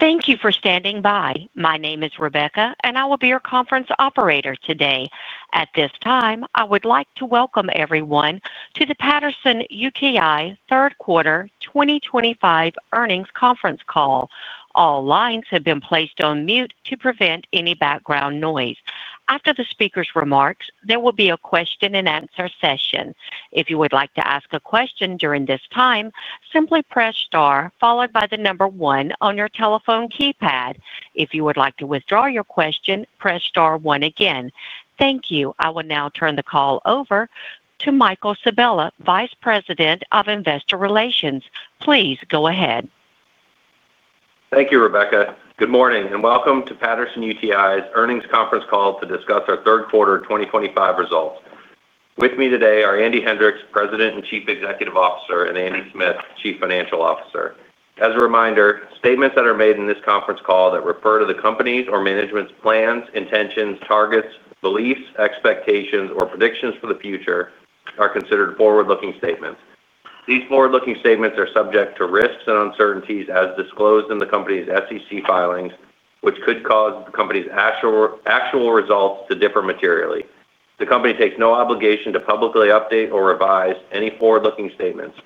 Thank you for standing by. My name is Rebecca, and I will be your conference operator today. At this time, I would like to welcome everyone to the Patterson-UTI Third Quarter 2025 Earnings Conference Call. All lines have been placed on mute to prevent any background noise. After the speaker's remarks, there will be a question and answer session. If you would like to ask a question during this time, simply press star followed by the number one on your telephone keypad. If you would like to withdraw your question, press star one again. Thank you. I will now turn the call over to Michael Sabella, Vice President of Investor Relations. Please go ahead. Thank you, Rebecca. Good morning and welcome to Patterson-UTI's Earnings Conference Call to discuss our Third Quarter 2025 results. With me today are Andy Hendricks, President and Chief Executive Officer, and Andy Smith, Chief Financial Officer. As a reminder, statements that are made in this conference call that refer to the company's or management's plans, intentions, targets, beliefs, expectations, or predictions for the future are considered forward-looking statements. These forward-looking statements are subject to risks and uncertainties as disclosed in the company's SEC filings, which could cause the company's actual results to differ materially. The company takes no obligation to publicly update or revise any forward-looking statements.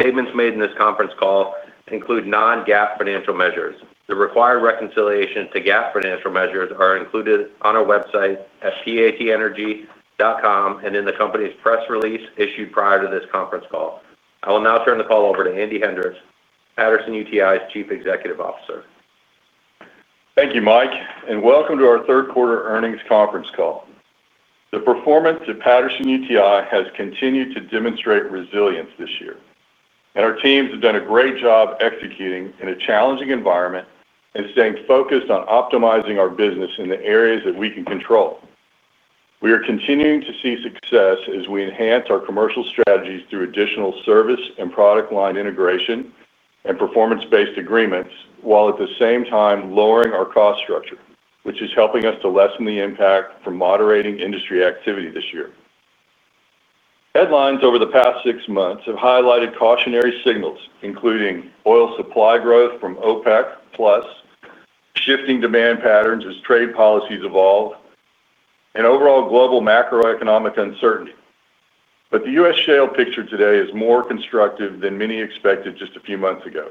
Statements made in this conference call include non-GAAP financial measures. The required reconciliation to GAAP financial measures are included on our website at patenergy.com and in the company's press release issued prior to this conference call. I will now turn the call over to Andy Hendricks, Patterson-UTI's Chief Executive Officer. Thank you, Mike, and welcome to our Third Quarter Earnings Conference Call. The performance of Patterson-UTI has continued to demonstrate resilience this year, and our teams have done a great job executing in a challenging environment and staying focused on optimizing our business in the areas that we can control. We are continuing to see success as we enhance our commercial strategies through additional service and product line integration and performance-based agreements, while at the same time lowering our cost structure, which is helping us to lessen the impact from moderating industry activity this year. Headlines over the past six months have highlighted cautionary signals, including oil supply growth from OPEC+, shifting demand patterns as trade policies evolve, and overall global macroeconomic uncertainty. The U.S. shale picture today is more constructive than many expected just a few months ago.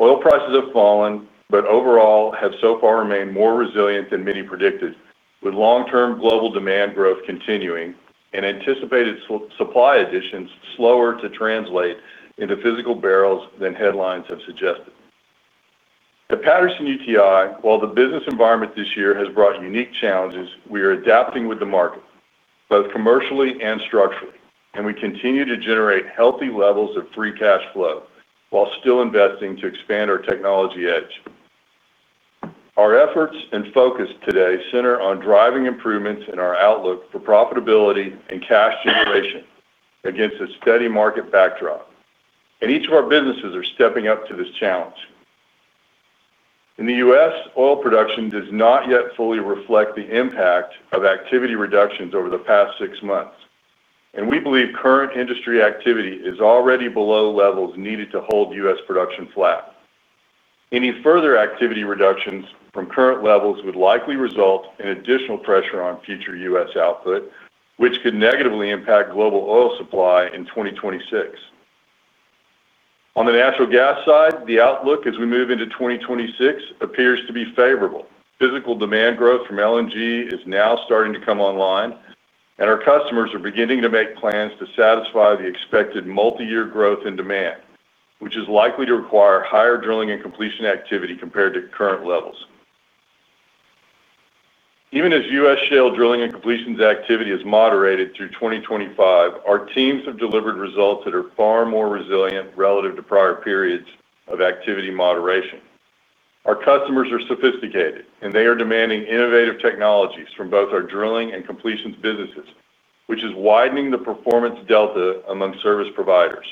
Oil prices have fallen, but overall have so far remained more resilient than many predicted, with long-term global demand growth continuing and anticipated supply additions slower to translate into physical barrels than headlines have suggested. At Patterson-UTI, while the business environment this year has brought unique challenges, we are adapting with the market, both commercially and structurally, and we continue to generate healthy levels of free cash flow while still investing to expand our technology edge. Our efforts and focus today center on driving improvements in our outlook for profitability and cash generation against a steady market backdrop, and each of our businesses is stepping up to this challenge. In the U.S., oil production does not yet fully reflect the impact of activity reductions over the past six months, and we believe current industry activity is already below levels needed to hold U.S. production flat. Any further activity reductions from current levels would likely result in additional pressure on future U.S. output, which could negatively impact global oil supply in 2026. On the natural gas side, the outlook as we move into 2026 appears to be favorable. Physical demand growth from LNG is now starting to come online, and our customers are beginning to make plans to satisfy the expected multi-year growth in demand, which is likely to require higher drilling and completion activity compared to current levels. Even as U.S. Shale drilling and completions activity has moderated through 2025. Our teams have delivered results that are far more resilient relative to prior periods of activity moderation. Our customers are sophisticated, and they are demanding innovative technologies from both our drilling and completions businesses, which is widening the performance delta among service providers.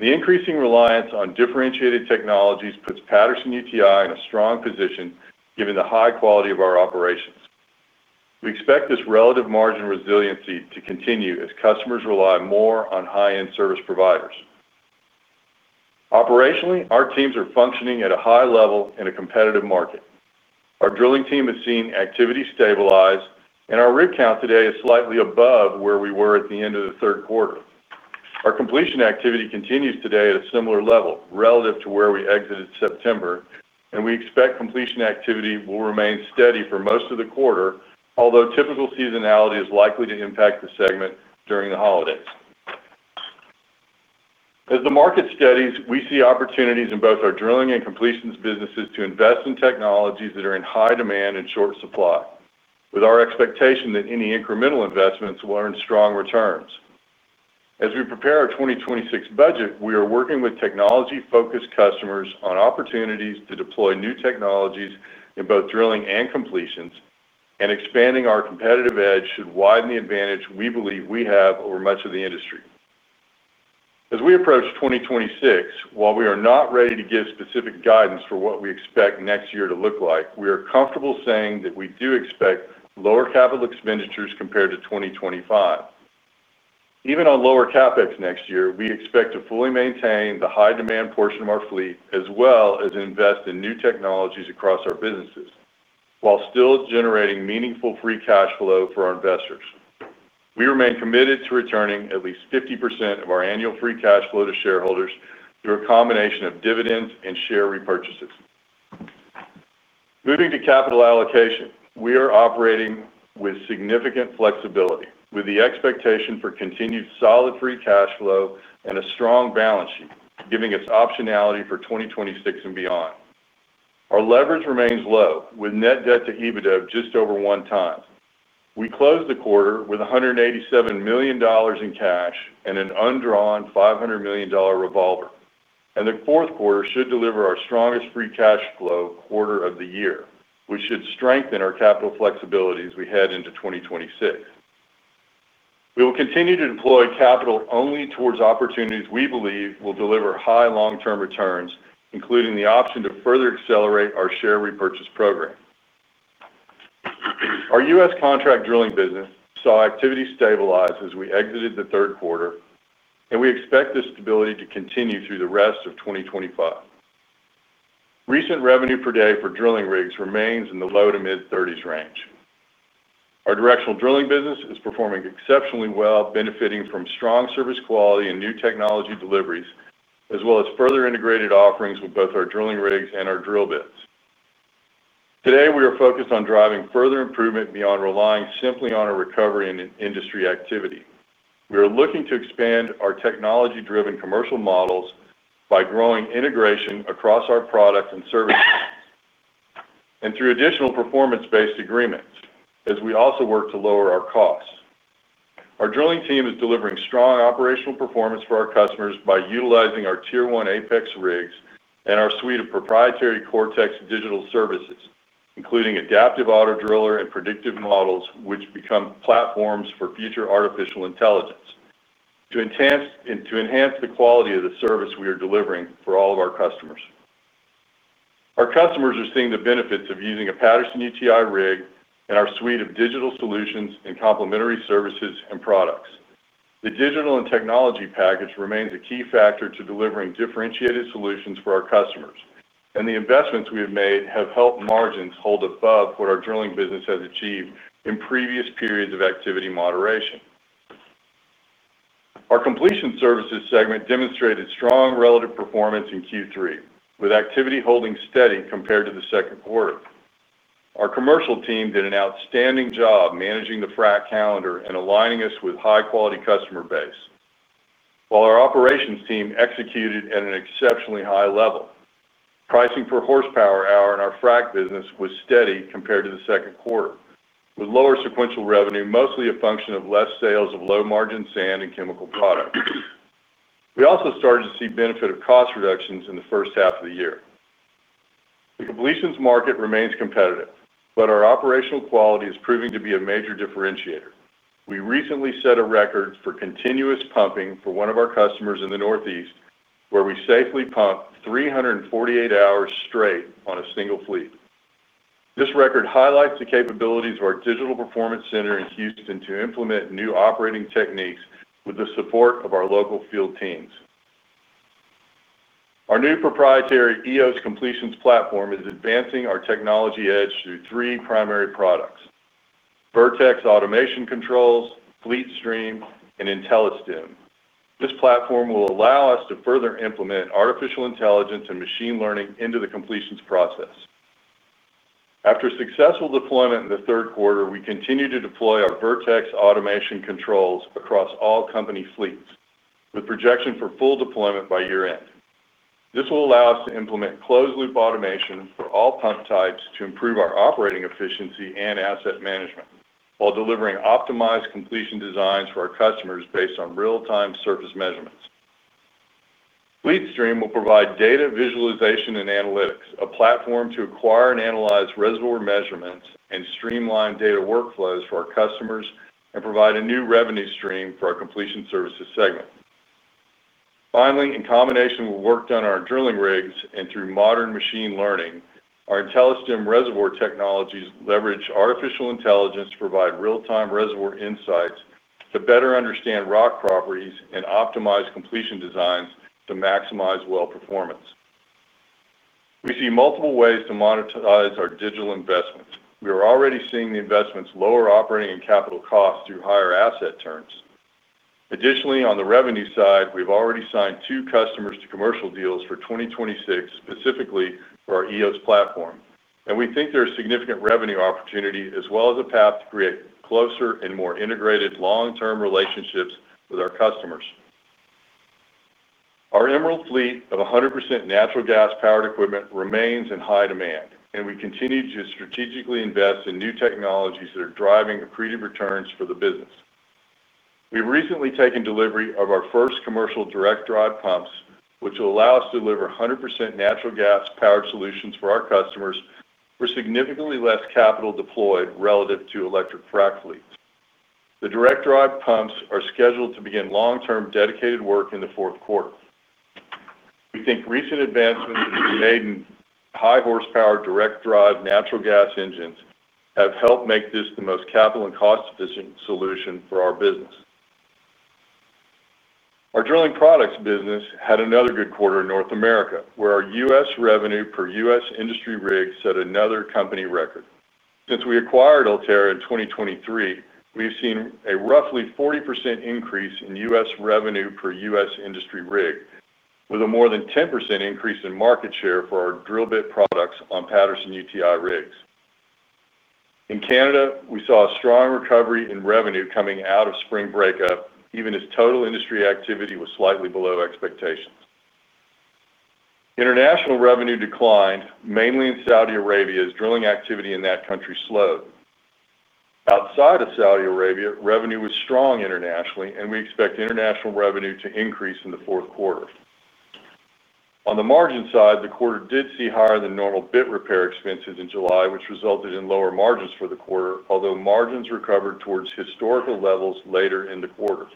The increasing reliance on differentiated technologies puts Patterson-UTI in a strong position given the high quality of our operations. We expect this relative margin resiliency to continue as customers rely more on high-end service providers. Operationally, our teams are functioning at a high level in a competitive market. Our drilling team has seen activity stabilize, and our rig count today is slightly above where we were at the end of the third quarter. Our completion activity continues today at a similar level relative to where we exited September, and we expect completion activity will remain steady for most of the quarter, although typical seasonality is likely to impact the segment during the holidays. As the market steadies, we see opportunities in both our drilling and completions businesses to invest in technologies that are in high demand and short supply, with our expectation that any incremental investments will earn strong returns. As we prepare our 2026 budget, we are working with technology-focused customers on opportunities to deploy new technologies in both drilling and completions, and expanding our competitive edge should widen the advantage we believe we have over much of the industry. As we approach 2026, while we are not ready to give specific guidance for what we expect next year to look like, we are comfortable saying that we do expect lower capital expenditures compared to 2025. Even on lower CapEx next year, we expect to fully maintain the high-demand portion of our fleet, as well as invest in new technologies across our businesses while still generating meaningful free cash flow for our investors. We remain committed to returning at least 50% of our annual free cash flow to shareholders through a combination of dividends and share repurchases. Moving to capital allocation, we are operating with significant flexibility, with the expectation for continued solid free cash flow and a strong balance sheet, giving us optionality for 2026 and beyond. Our leverage remains low, with net debt to EBITDA of just over one time. We closed the quarter with $187 million in cash and an undrawn $500 million revolver, and the fourth quarter should deliver our strongest free cash flow quarter of the year, which should strengthen our capital flexibility as we head into 2026. We will continue to deploy capital only towards opportunities we believe will deliver high long-term returns, including the option to further accelerate our share repurchase program. Our U.S. contract drilling business saw activity stabilize as we exited the third quarter, and we expect this stability to continue through the rest of 2025. Recent revenue per day for drilling rigs remains in the low to mid-30s range. Our directional drilling business is performing exceptionally well, benefiting from strong service quality and new technology deliveries, as well as further integrated offerings with both our drilling rigs and our drill bits. Today, we are focused on driving further improvement beyond relying simply on a recovery in industry activity. We are looking to expand our technology-driven commercial models by growing integration across our products and services and through additional performance-based agreements, as we also work to lower our costs. Our drilling team is delivering strong operational performance for our customers by utilizing our Tier 1 Apex rigs and our suite of proprietary Cortex digital services, including adaptive auto-driller and predictive models, which become platforms for future artificial intelligence to enhance the quality of the service we are delivering for all of our customers. Our customers are seeing the benefits of using a Patterson-UTI rig and our suite of digital solutions and complementary services and products. The digital and technology package remains a key factor to delivering differentiated solutions for our customers, and the investments we have made have helped margins hold above what our drilling business has achieved in previous periods of activity moderation. Our completion services segment demonstrated strong relative performance in Q3, with activity holding steady compared to the second quarter. Our commercial team did an outstanding job managing the frac calendar and aligning us with a high-quality customer base, while our operations team executed at an exceptionally high level. Pricing per horsepower hour in our frac business was steady compared to the second quarter, with lower sequential revenue mostly a function of less sales of low-margin sand and chemical products. We also started to see benefit of cost reductions in the first half of the year. The completions market remains competitive, but our operational quality is proving to be a major differentiator. We recently set a record for continuous pumping for one of our customers in the Northeast, where we safely pumped 348 hours straight on a single fleet. This record highlights the capabilities of our digital performance center in Houston to implement new operating techniques with the support of our local field teams. Our new proprietary EOS Completions platform is advancing our technology edge through three primary products: Vertex Automation Controls, Fleet Stream, and IntelliStim. This platform will allow us to further implement artificial intelligence and machine learning into the completions process. After successful deployment in the third quarter, we continue to deploy our Vertex Automation Controls across all company fleets, with projection for full deployment by year-end. This will allow us to implement closed-loop automation for all pump types to improve our operating efficiency and asset management while delivering optimized completion designs for our customers based on real-time surface measurements. Fleet Stream will provide data visualization and analytics, a platform to acquire and analyze reservoir measurements and streamline data workflows for our customers and provide a new revenue stream for our completion services segment. Finally, in combination with work done on our drilling rigs and through modern machine learning, our IntelliStim reservoir technologies leverage artificial intelligence to provide real-time reservoir insights to better understand rock properties and optimize completion designs to maximize well performance. We see multiple ways to monetize our digital investments. We are already seeing the investments lower operating and capital costs through higher asset terms. Additionally, on the revenue side, we've already signed two customers to commercial deals for 2026, specifically for our EOS platform, and we think there is significant revenue opportunity as well as a path to create closer and more integrated long-term relationships with our customers. Our Emerald fleet of 100% natural gas-powered equipment remains in high demand, and we continue to strategically invest in new technologies that are driving accretive returns for the business. We've recently taken delivery of our first commercial direct-drive pumps, which will allow us to deliver 100% natural gas-powered solutions for our customers for significantly less capital deployed relative to electric frac fleets. The direct-drive pumps are scheduled to begin long-term dedicated work in the fourth quarter. We think recent advancements in the made-in-high-horsepower direct-drive natural gas engines have helped make this the most capital and cost-efficient solution for our business. Our drilling products business had another good quarter in North America, where our U.S. revenue per U.S. industry rig set another company record. Since we acquired Altera in 2023, we've seen a roughly 40% increase in U.S. revenue per U.S. industry rig, with a more than 10% increase in market share for our drill bit products on Patterson-UTI rigs. In Canada, we saw a strong recovery in revenue coming out of spring breakup, even as total industry activity was slightly below expectations. International revenue declined, mainly in Saudi Arabia, as drilling activity in that country slowed. Outside of Saudi Arabia, revenue was strong internationally, and we expect international revenue to increase in the fourth quarter. On the margin side, the quarter did see higher than normal bit repair expenses in July, which resulted in lower margins for the quarter, although margins recovered towards historical levels later in the quarter.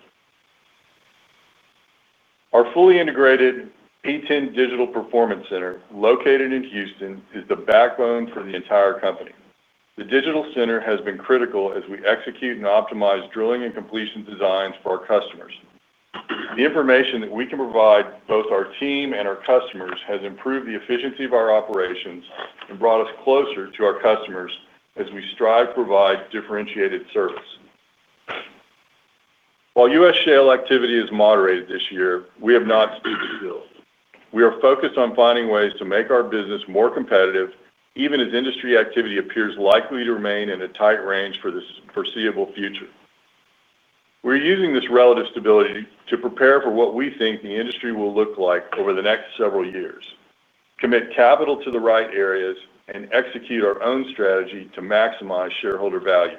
Our fully integrated P10 Digital Performance Center, located in Houston, is the backbone for the entire company. The digital center has been critical as we execute and optimize drilling and completion designs for our customers. The information that we can provide both our team and our customers has improved the efficiency of our operations and brought us closer to our customers as we strive to provide differentiated service. While U.S. shale activity is moderated this year, we have not stopped still. We are focused on finding ways to make our business more competitive, even as industry activity appears likely to remain in a tight range for this foreseeable future. We're using this relative stability to prepare for what we think the industry will look like over the next several years, commit capital to the right areas, and execute our own strategy to maximize shareholder value.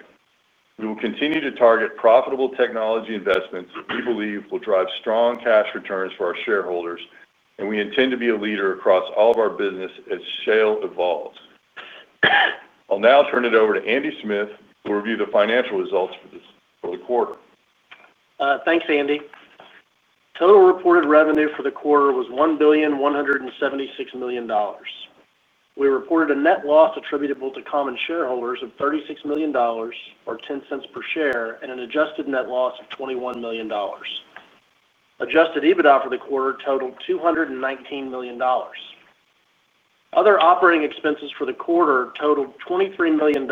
We will continue to target profitable technology investments that we believe will drive strong cash returns for our shareholders, and we intend to be a leader across all of our business as shale evolves. I'll now turn it over to Andy Smith, who will review the financial results for the quarter. Thanks, Andy. Total reported revenue for the quarter was $1.176 billion. We reported a net loss attributable to common shareholders of $36 million or $0.10 per share and an adjusted net loss of $21 million. Adjusted EBITDA for the quarter totaled $219 million. Other operating expenses for the quarter totaled $23 million,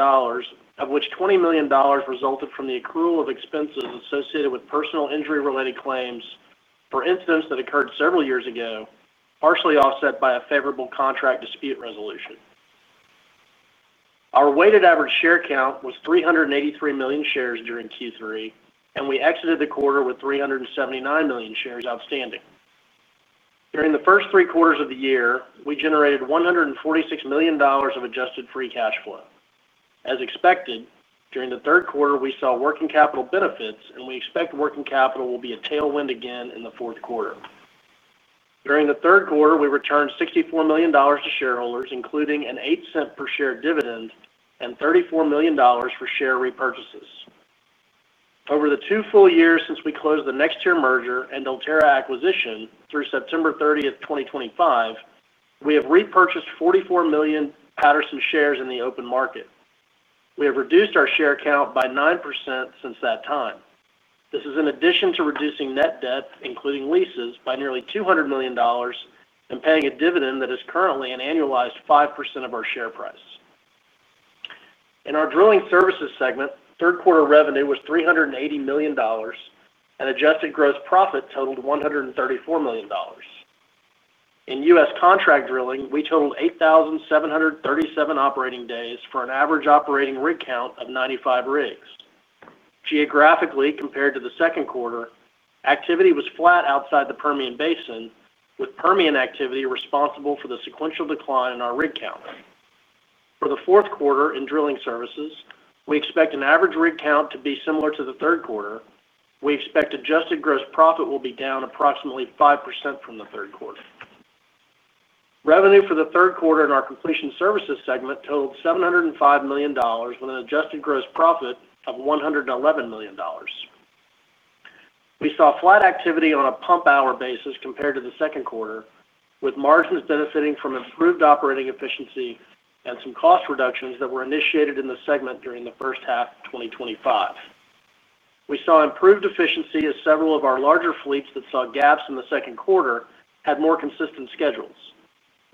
of which $20 million resulted from the accrual of expenses associated with personal injury-related claims for incidents that occurred several years ago, partially offset by a favorable contract dispute resolution. Our weighted average share count was 383 million shares during Q3, and we exited the quarter with 379 million shares outstanding. During the first three quarters of the year, we generated $146 million of adjusted free cash flow. As expected, during the third quarter, we saw working capital benefits, and we expect working capital will be a tailwind again in the fourth quarter. During the third quarter, we returned $64 million to shareholders, including a $0.08 per share dividend and $34 million for share repurchases. Over the two full years since we closed the NextTier merger and Altera acquisition through September 30th, 2025, we have repurchased 44 million Patterson-UTI shares in the open market. We have reduced our share count by 9% since that time. This is in addition to reducing net debt, including leases, by nearly $200 million and paying a dividend that is currently an annualized 5% of our share price. In our drilling services segment, third quarter revenue was $380 million and adjusted gross profit totaled $134 million. In U.S. contract drilling, we totaled 8,737 operating days for an average operating rig count of 95 rigs. Geographically, compared to the second quarter, activity was flat outside the Permian Basin, with Permian activity responsible for the sequential decline in our rig count. For the fourth quarter in drilling services, we expect an average rig count to be similar to the third quarter. We expect adjusted gross profit will be down approximately 5% from the third quarter. Revenue for the third quarter in our completion services segment totaled $705 million with an adjusted gross profit of $111 million. We saw flat activity on a pump-hour basis compared to the second quarter, with margins benefiting from improved operating efficiency and some cost reductions that were initiated in the segment during the first half of 2025. We saw improved efficiency as several of our larger fleets that saw gaps in the second quarter had more consistent schedules.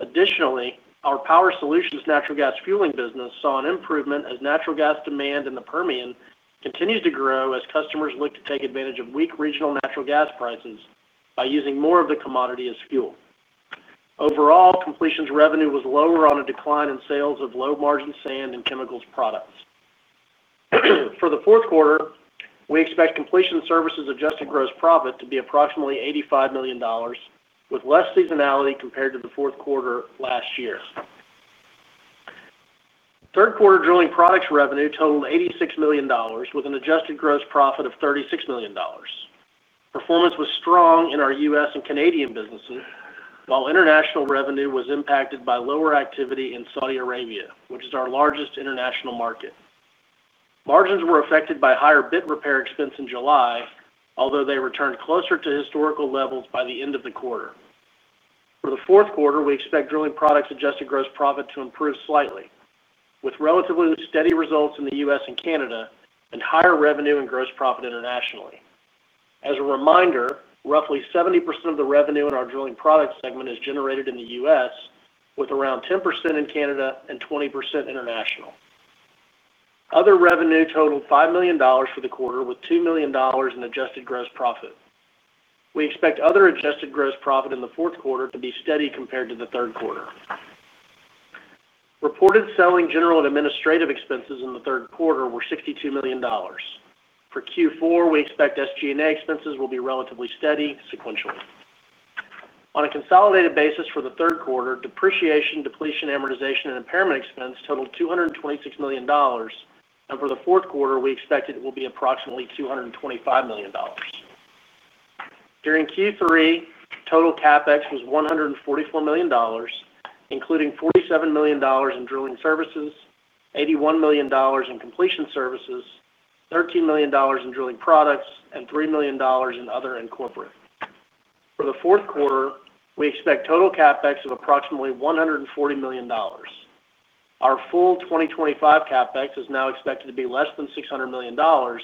Additionally, our power solutions natural gas fueling business saw an improvement as natural gas demand in the Permian continues to grow as customers look to take advantage of weak regional natural gas prices by using more of the commodity as fuel. Overall, completions revenue was lower on a decline in sales of low-margin sand and chemicals products. For the fourth quarter, we expect completion services adjusted gross profit to be approximately $85,000,000 with less seasonality compared to the fourth quarter last year. Third quarter drilling products revenue totaled $86,000,000 with an adjusted gross profit of $36,000,000. Performance was strong in our U.S. and Canadian businesses, while international revenue was impacted by lower activity in Saudi Arabia, which is our largest international market. Margins were affected by higher bit repair expense in July, although they returned closer to historical levels by the end of the quarter. For the fourth quarter, we expect drilling products adjusted gross profit to improve slightly, with relatively steady results in the U.S. and Canada and higher revenue and gross profit internationally. As a reminder, roughly 70% of the revenue in our drilling products segment is generated in the U.S., with around 10% in Canada and 20% international. Other revenue totaled $5,000,000 for the quarter, with $2,000,000 in adjusted gross profit. We expect other adjusted gross profit in the fourth quarter to be steady compared to the third quarter. Reported selling, general and administrative expenses in the third quarter were $62,000,000. For Q4, we expect SG&A expenses will be relatively steady sequentially. On a consolidated basis for the third quarter, depreciation, depletion, amortization, and impairment expense totaled $226,000,000, and for the fourth quarter, we expect it will be approximately $225,000,000. During Q3, total CapEx was $144,000,000, including $47,000,000 in drilling services, $81,000,000 in completion services, $13,000,000 in drilling products, and $3,000,000 in other and corporate. For the fourth quarter, we expect total CapEx of approximately $140,000,000. Our full 2025 CapEx is now expected to be less than $600,000,000,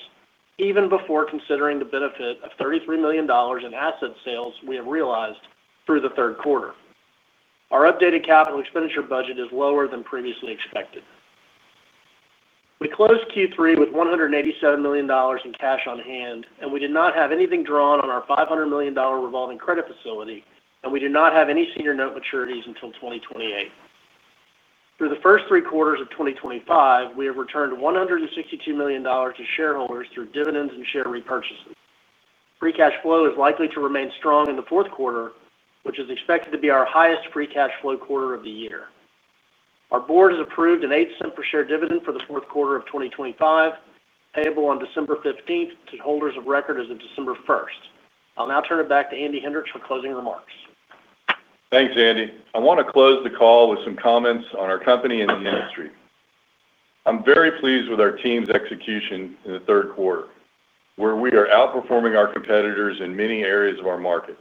even before considering the benefit of $33,000,000 in asset sales we have realized through the third quarter. Our updated capital expenditure budget is lower than previously expected. We closed Q3 with $187 million in cash on hand, and we did not have anything drawn on our $500 million revolving credit facility, and we do not have any senior note maturities until 2028. Through the first three quarters of 2025, we have returned $162 million to shareholders through dividends and share repurchases. Free cash flow is likely to remain strong in the fourth quarter, which is expected to be our highest free cash flow quarter of the year. Our board has approved an $0.08 per share dividend for the fourth quarter of 2025, payable on December 15th to holders of record as of December 1st. I'll now turn it back to Andy Hendricks for closing remarks. Thanks, Andy. I want to close the call with some comments on our company and the industry. I'm very pleased with our team's execution in the third quarter, where we are outperforming our competitors in many areas of our market.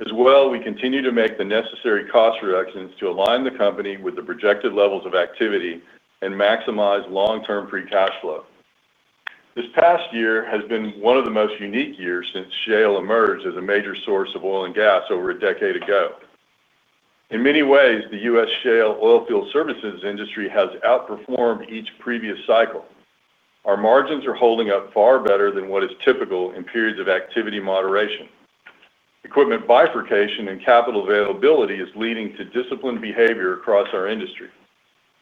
As well, we continue to make the necessary cost reductions to align the company with the projected levels of activity and maximize long-term free cash flow. This past year has been one of the most unique years since shale emerged as a major source of oil and gas over a decade ago. In many ways, the U.S. shale oilfield services industry has outperformed each previous cycle. Our margins are holding up far better than what is typical in periods of activity moderation. Equipment bifurcation and capital availability is leading to disciplined behavior across our industry,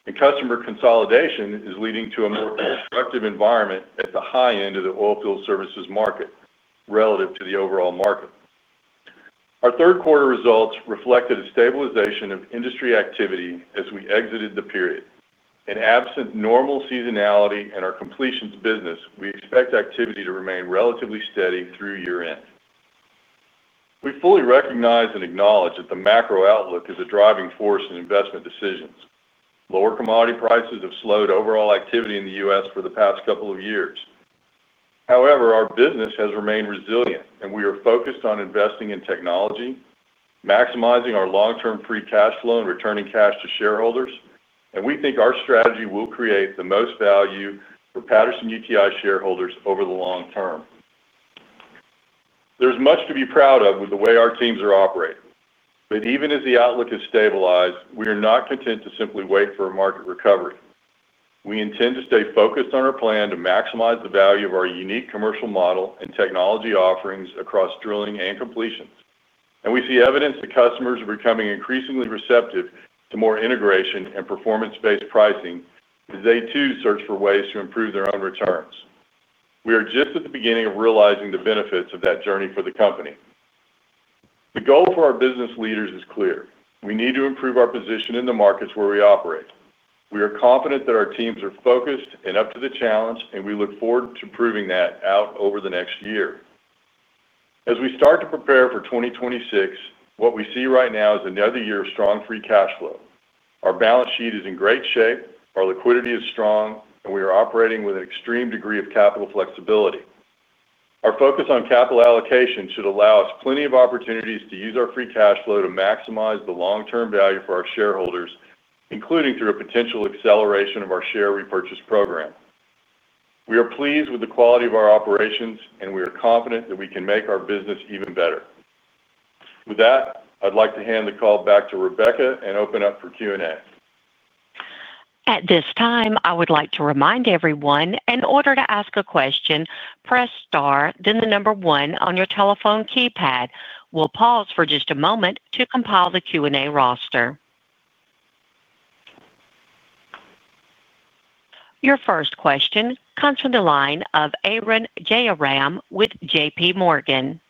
and customer consolidation is leading to a more constructive environment at the high end of the oilfield services market relative to the overall market. Our third quarter results reflected a stabilization of industry activity as we exited the period. In absent normal seasonality in our completions business, we expect activity to remain relatively steady through year-end. We fully recognize and acknowledge that the macro outlook is a driving force in investment decisions. Lower commodity prices have slowed overall activity in the U.S. for the past couple of years. However, our business has remained resilient, and we are focused on investing in technology, maximizing our long-term free cash flow, and returning cash to shareholders, and we think our strategy will create the most value for Patterson-UTI shareholders over the long term. There's much to be proud of with the way our teams are operating, but even as the outlook has stabilized, we are not content to simply wait for a market recovery. We intend to stay focused on our plan to maximize the value of our unique commercial model and technology offerings across drilling and completions, and we see evidence that customers are becoming increasingly receptive to more integration and performance-based pricing as they too search for ways to improve their own returns. We are just at the beginning of realizing the benefits of that journey for the company. The goal for our business leaders is clear. We need to improve our position in the markets where we operate. We are confident that our teams are focused and up to the challenge, and we look forward to proving that out over the next year. As we start to prepare for 2026, what we see right now is another year of strong free cash flow. Our balance sheet is in great shape, our liquidity is strong, and we are operating with an extreme degree of capital flexibility. Our focus on capital allocation should allow us plenty of opportunities to use our free cash flow to maximize the long-term value for our shareholders, including through a potential acceleration of our share repurchase program. We are pleased with the quality of our operations, and we are confident that we can make our business even better. With that, I'd like to hand the call back to Rebecca and open up for Q&A. At this time, I would like to remind everyone, in order to ask a question, press star, then the number one on your telephone keypad. We'll pause for just a moment to compile the Q&A roster. Your first question comes from the line of Arun Jayaram with J.P. Morgan.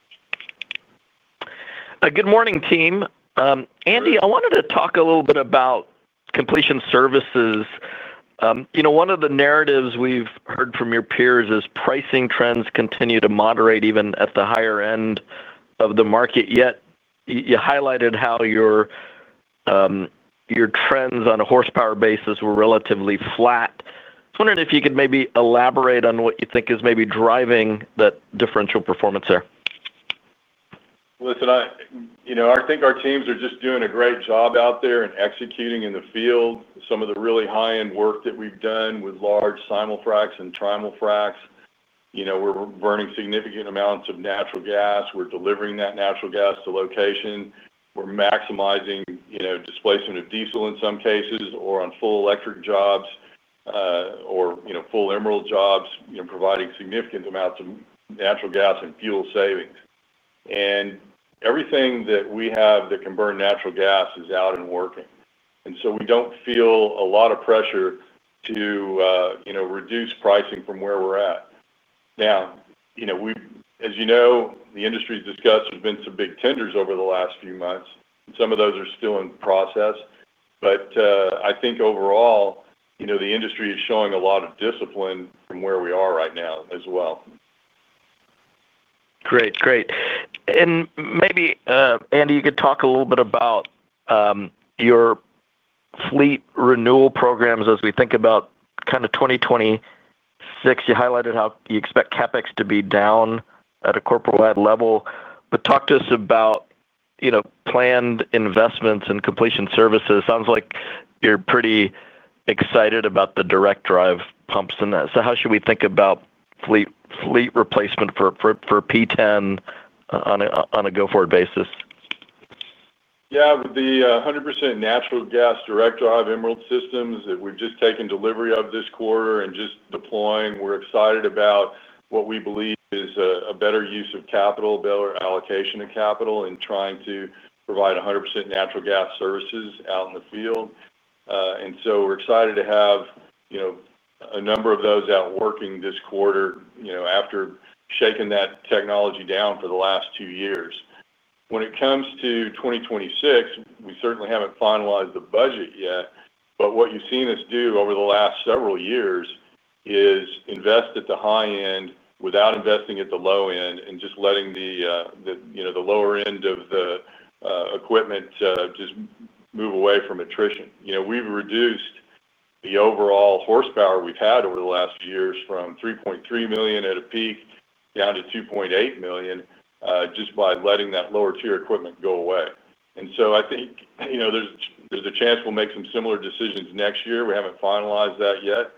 Good morning, team. Andy, I wanted to talk a little bit about completion services. One of the narratives we've heard from your peers is pricing trends continue to moderate even at the higher end of the market. Yet, you highlighted how your trends on a horsepower basis were relatively flat. I was wondering if you could maybe elaborate on what you think is maybe driving that differential performance there. Listen, you know, I think our teams are just doing a great job out there and executing in the field some of the really high-end work that we've done with large simul fracs and trimul fracs. We're burning significant amounts of natural gas. We're delivering that natural gas to location. We're maximizing, you know, displacement of diesel in some cases or on full electric jobs, or full Emerald jobs, providing significant amounts of natural gas and fuel savings. Everything that we have that can burn natural gas is out and working. We don't feel a lot of pressure to reduce pricing from where we're at. Now, as you know, the industry's discussed there's been some big tenders over the last few months, and some of those are still in process. I think overall, the industry is showing a lot of discipline from where we are right now as well. Great, great. Maybe, Andy, you could talk a little bit about your fleet renewal programs as we think about kind of 2026. You highlighted how you expect CapEx to be down at a corporate-wide level, but talk to us about planned investments in completion services. It sounds like you're pretty excited about the direct-drive pumps and that. How should we think about fleet replacement for P10 on a go-forward basis? Yeah, with the 100% natural gas direct-drive Emerald systems that we've just taken delivery of this quarter and just deploying, we're excited about what we believe is a better use of capital, better allocation of capital, and trying to provide 100% natural gas services out in the field. We're excited to have a number of those out working this quarter after shaking that technology down for the last two years. When it comes to 2026, we certainly haven't finalized the budget yet, but what you've seen us do over the last several years is invest at the high end without investing at the low end and just letting the lower end of the equipment move away from attrition. We've reduced the overall horsepower we've had over the last few years from 3.3 million at a peak down to 2.8 million just by letting that lower-tier equipment go away. I think there's a chance we'll make some similar decisions next year. We haven't finalized that yet,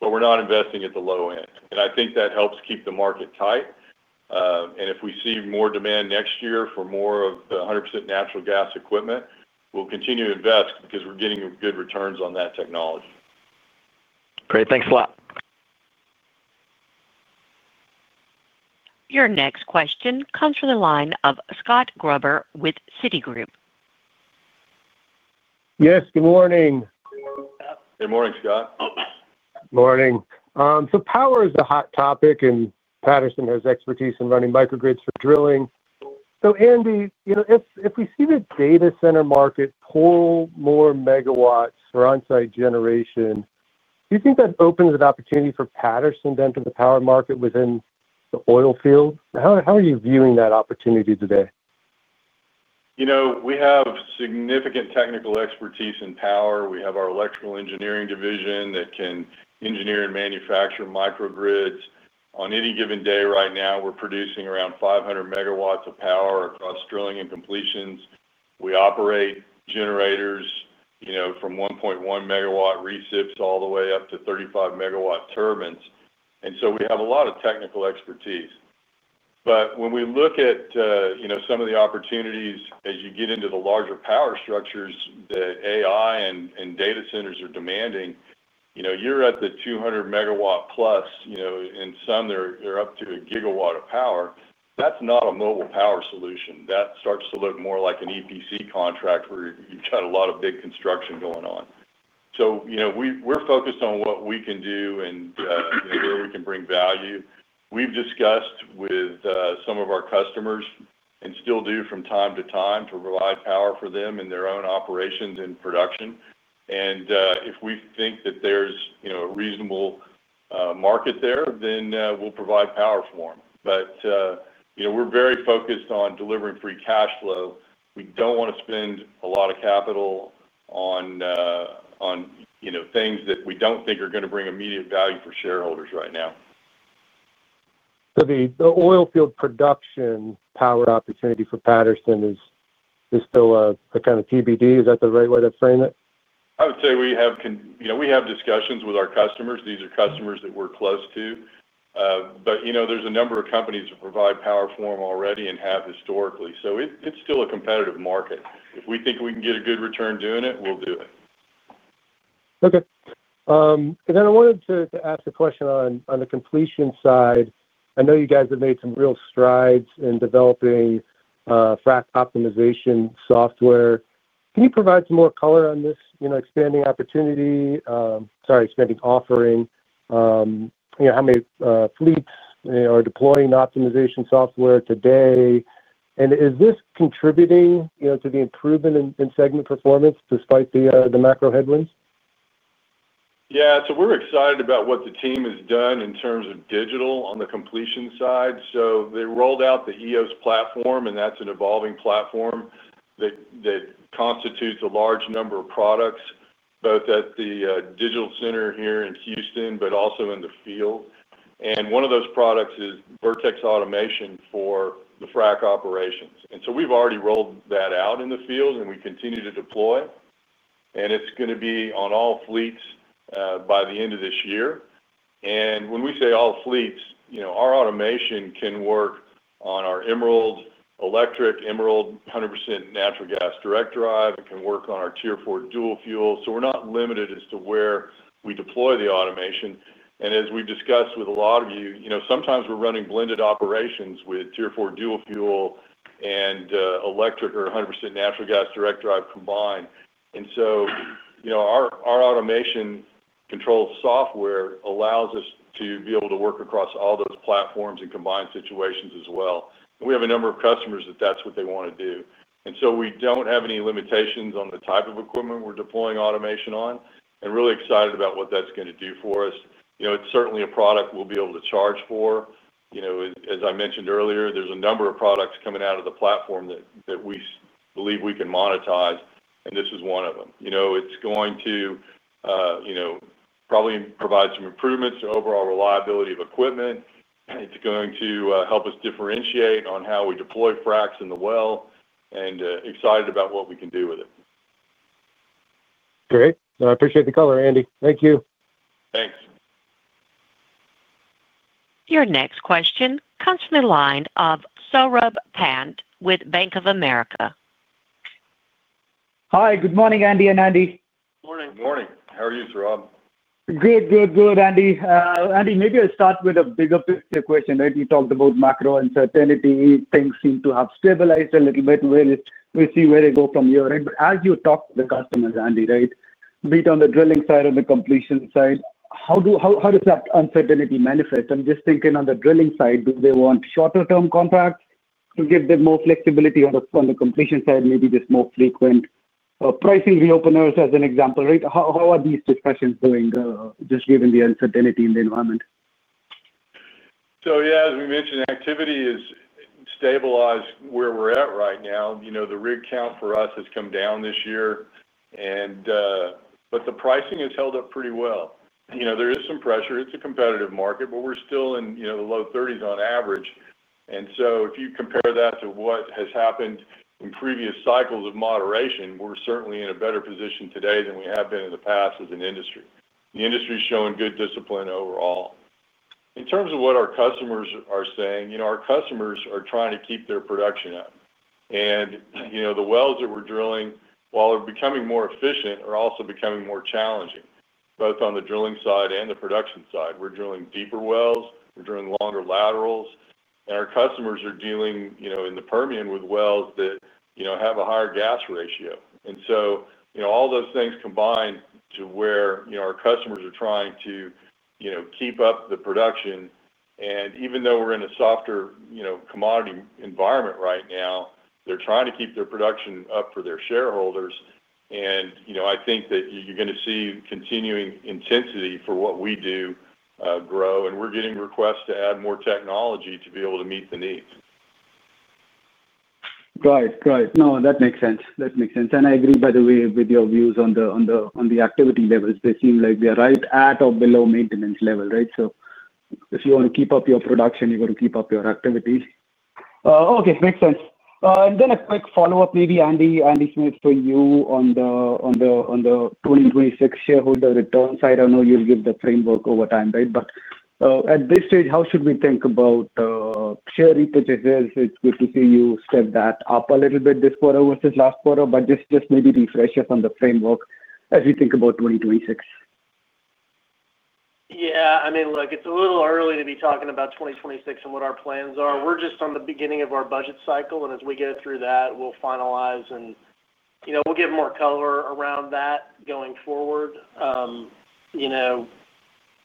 but we're not investing at the low end. I think that helps keep the market tight. If we see more demand next year for more of the 100% natural gas equipment, we'll continue to invest because we're getting good returns on that technology. Great, thanks a lot. Your next question comes from the line of Scott Gruber with Citigroup. Yes, good morning. Good morning, Scott. Morning. Power is a hot topic, and Patterson has expertise in running microgrids for drilling. Andy, if we see the data center market pull more megawatts for onsite generation, do you think that opens an opportunity for Patterson to enter the power market within the oilfield? How are you viewing that opportunity today? You know, we have significant technical expertise in power. We have our Electrical Engineering division that can engineer and manufacture microgrids. On any given day right now, we're producing around 500 megawatts of power across drilling and completions. We operate generators, you know, from 1.1 megawatt resips all the way up to 35 megawatt turbines. We have a lot of technical expertise. When we look at some of the opportunities as you get into the larger power structures that artificial intelligence and data centers are demanding, you're at the 200 megawatt plus, and some they're up to a gigawatt of power. That's not a mobile power solution. That starts to look more like an EPC contract where you've got a lot of big construction going on. We're focused on what we can do and where we can bring value. We've discussed with some of our customers and still do from time to time to provide power for them in their own operations and production. If we think that there's a reasonable market there, then we'll provide power for them. We're very focused on delivering free cash flow. We don't want to spend a lot of capital on things that we don't think are going to bring immediate value for shareholders right now. The oilfield production power opportunity for Patterson is still a kind of TBD. Is that the right way to frame it? I would say we have discussions with our customers. These are customers that we're close to, but there's a number of companies that provide power for them already and have historically. It is still a competitive market. If we think we can get a good return doing it, we'll do it. Okay. I wanted to ask a question on the completion side. I know you guys have made some real strides in developing a frac optimization software. Can you provide some more color on this expanding offering? You know, how many fleets are deploying optimization software today? Is this contributing to the improvement in segment performance despite the macro headwinds? Yeah, we're excited about what the team has done in terms of digital on the completion side. They rolled out the EOS Completions platform, and that's an evolving platform that constitutes a large number of products, both at the digital center here in Houston and in the field. One of those products is Vertex Automation for the frac operations. We've already rolled that out in the field, and we continue to deploy. It's going to be on all fleets by the end of this year. When we say all fleets, our automation can work on our Emerald electric, Emerald 100% natural gas direct-drive fleets. It can work on our tier four dual fuel. We're not limited as to where we deploy the automation. As we've discussed with a lot of you, sometimes we're running blended operations with tier four dual fuel and electric or 100% natural gas direct-drive combined. Our automation control software allows us to be able to work across all those platforms in combined situations as well. We have a number of customers that want to do that. We don't have any limitations on the type of equipment we're deploying automation on and are really excited about what that's going to do for us. It's certainly a product we'll be able to charge for. As I mentioned earlier, there's a number of products coming out of the platform that we believe we can monetize, and this is one of them. It's going to probably provide some improvements to overall reliability of equipment. It's going to help us differentiate on how we deploy fracs in the well, and we're excited about what we can do with it. Great. I appreciate the color, Andy. Thank you. Thanks. Your next question comes from the line of Saurabh Pant with Bank of America. Hi, good morning, Andy and Andy. Morning. Morning. How are you, Saurabh? Good, good, good, Andy. Andy, maybe I start with a bigger question. You talked about macroeconomic uncertainty. Things seem to have stabilized a little bit. We'll see where it goes from here. As you talk to the customers, Andy, be it on the drilling side or the completion side, how does that uncertainty manifest? I'm just thinking on the drilling side, do they want shorter-term contracts to give them more flexibility? On the completion side, maybe just more frequent pricing reopeners as an example. How are these discussions going, just given the uncertainty in the environment? As we mentioned, activity is stabilized where we're at right now. The rig count for us has come down this year, but the pricing has held up pretty well. There is some pressure. It's a competitive market, but we're still in the low 30s on average. If you compare that to what has happened in previous cycles of moderation, we're certainly in a better position today than we have been in the past as an industry. The industry is showing good discipline overall. In terms of what our customers are saying, our customers are trying to keep their production up. The wells that we're drilling, while they're becoming more efficient, are also becoming more challenging, both on the drilling side and the production side. We're drilling deeper wells. We're drilling longer laterals. Our customers are dealing in the Permian with wells that have a higher gas ratio. All those things combine to where our customers are trying to keep up the production. Even though we're in a softer commodity environment right now, they're trying to keep their production up for their shareholders. I think that you're going to see continuing intensity for what we do grow. We're getting requests to add more technology to be able to meet the needs. Right, right. That makes sense. I agree, by the way, with your views on the activity levels. They seem like they are right at or below maintenance level, right? If you want to keep up your production, you've got to keep up your activities. Okay, makes sense. A quick follow-up maybe, Andy. Andy Smith, for you on the 2026 shareholder return side, I know you'll give the framework over time, right? At this stage, how should we think about share repurchases? It's good to see you step that up a little bit this quarter versus last quarter, but maybe just refresh us on the framework as we think about 2026. Yeah, I mean, look, it's a little early to be talking about 2026 and what our plans are. We're just at the beginning of our budget cycle, and as we go through that, we'll finalize and we'll give more color around that going forward.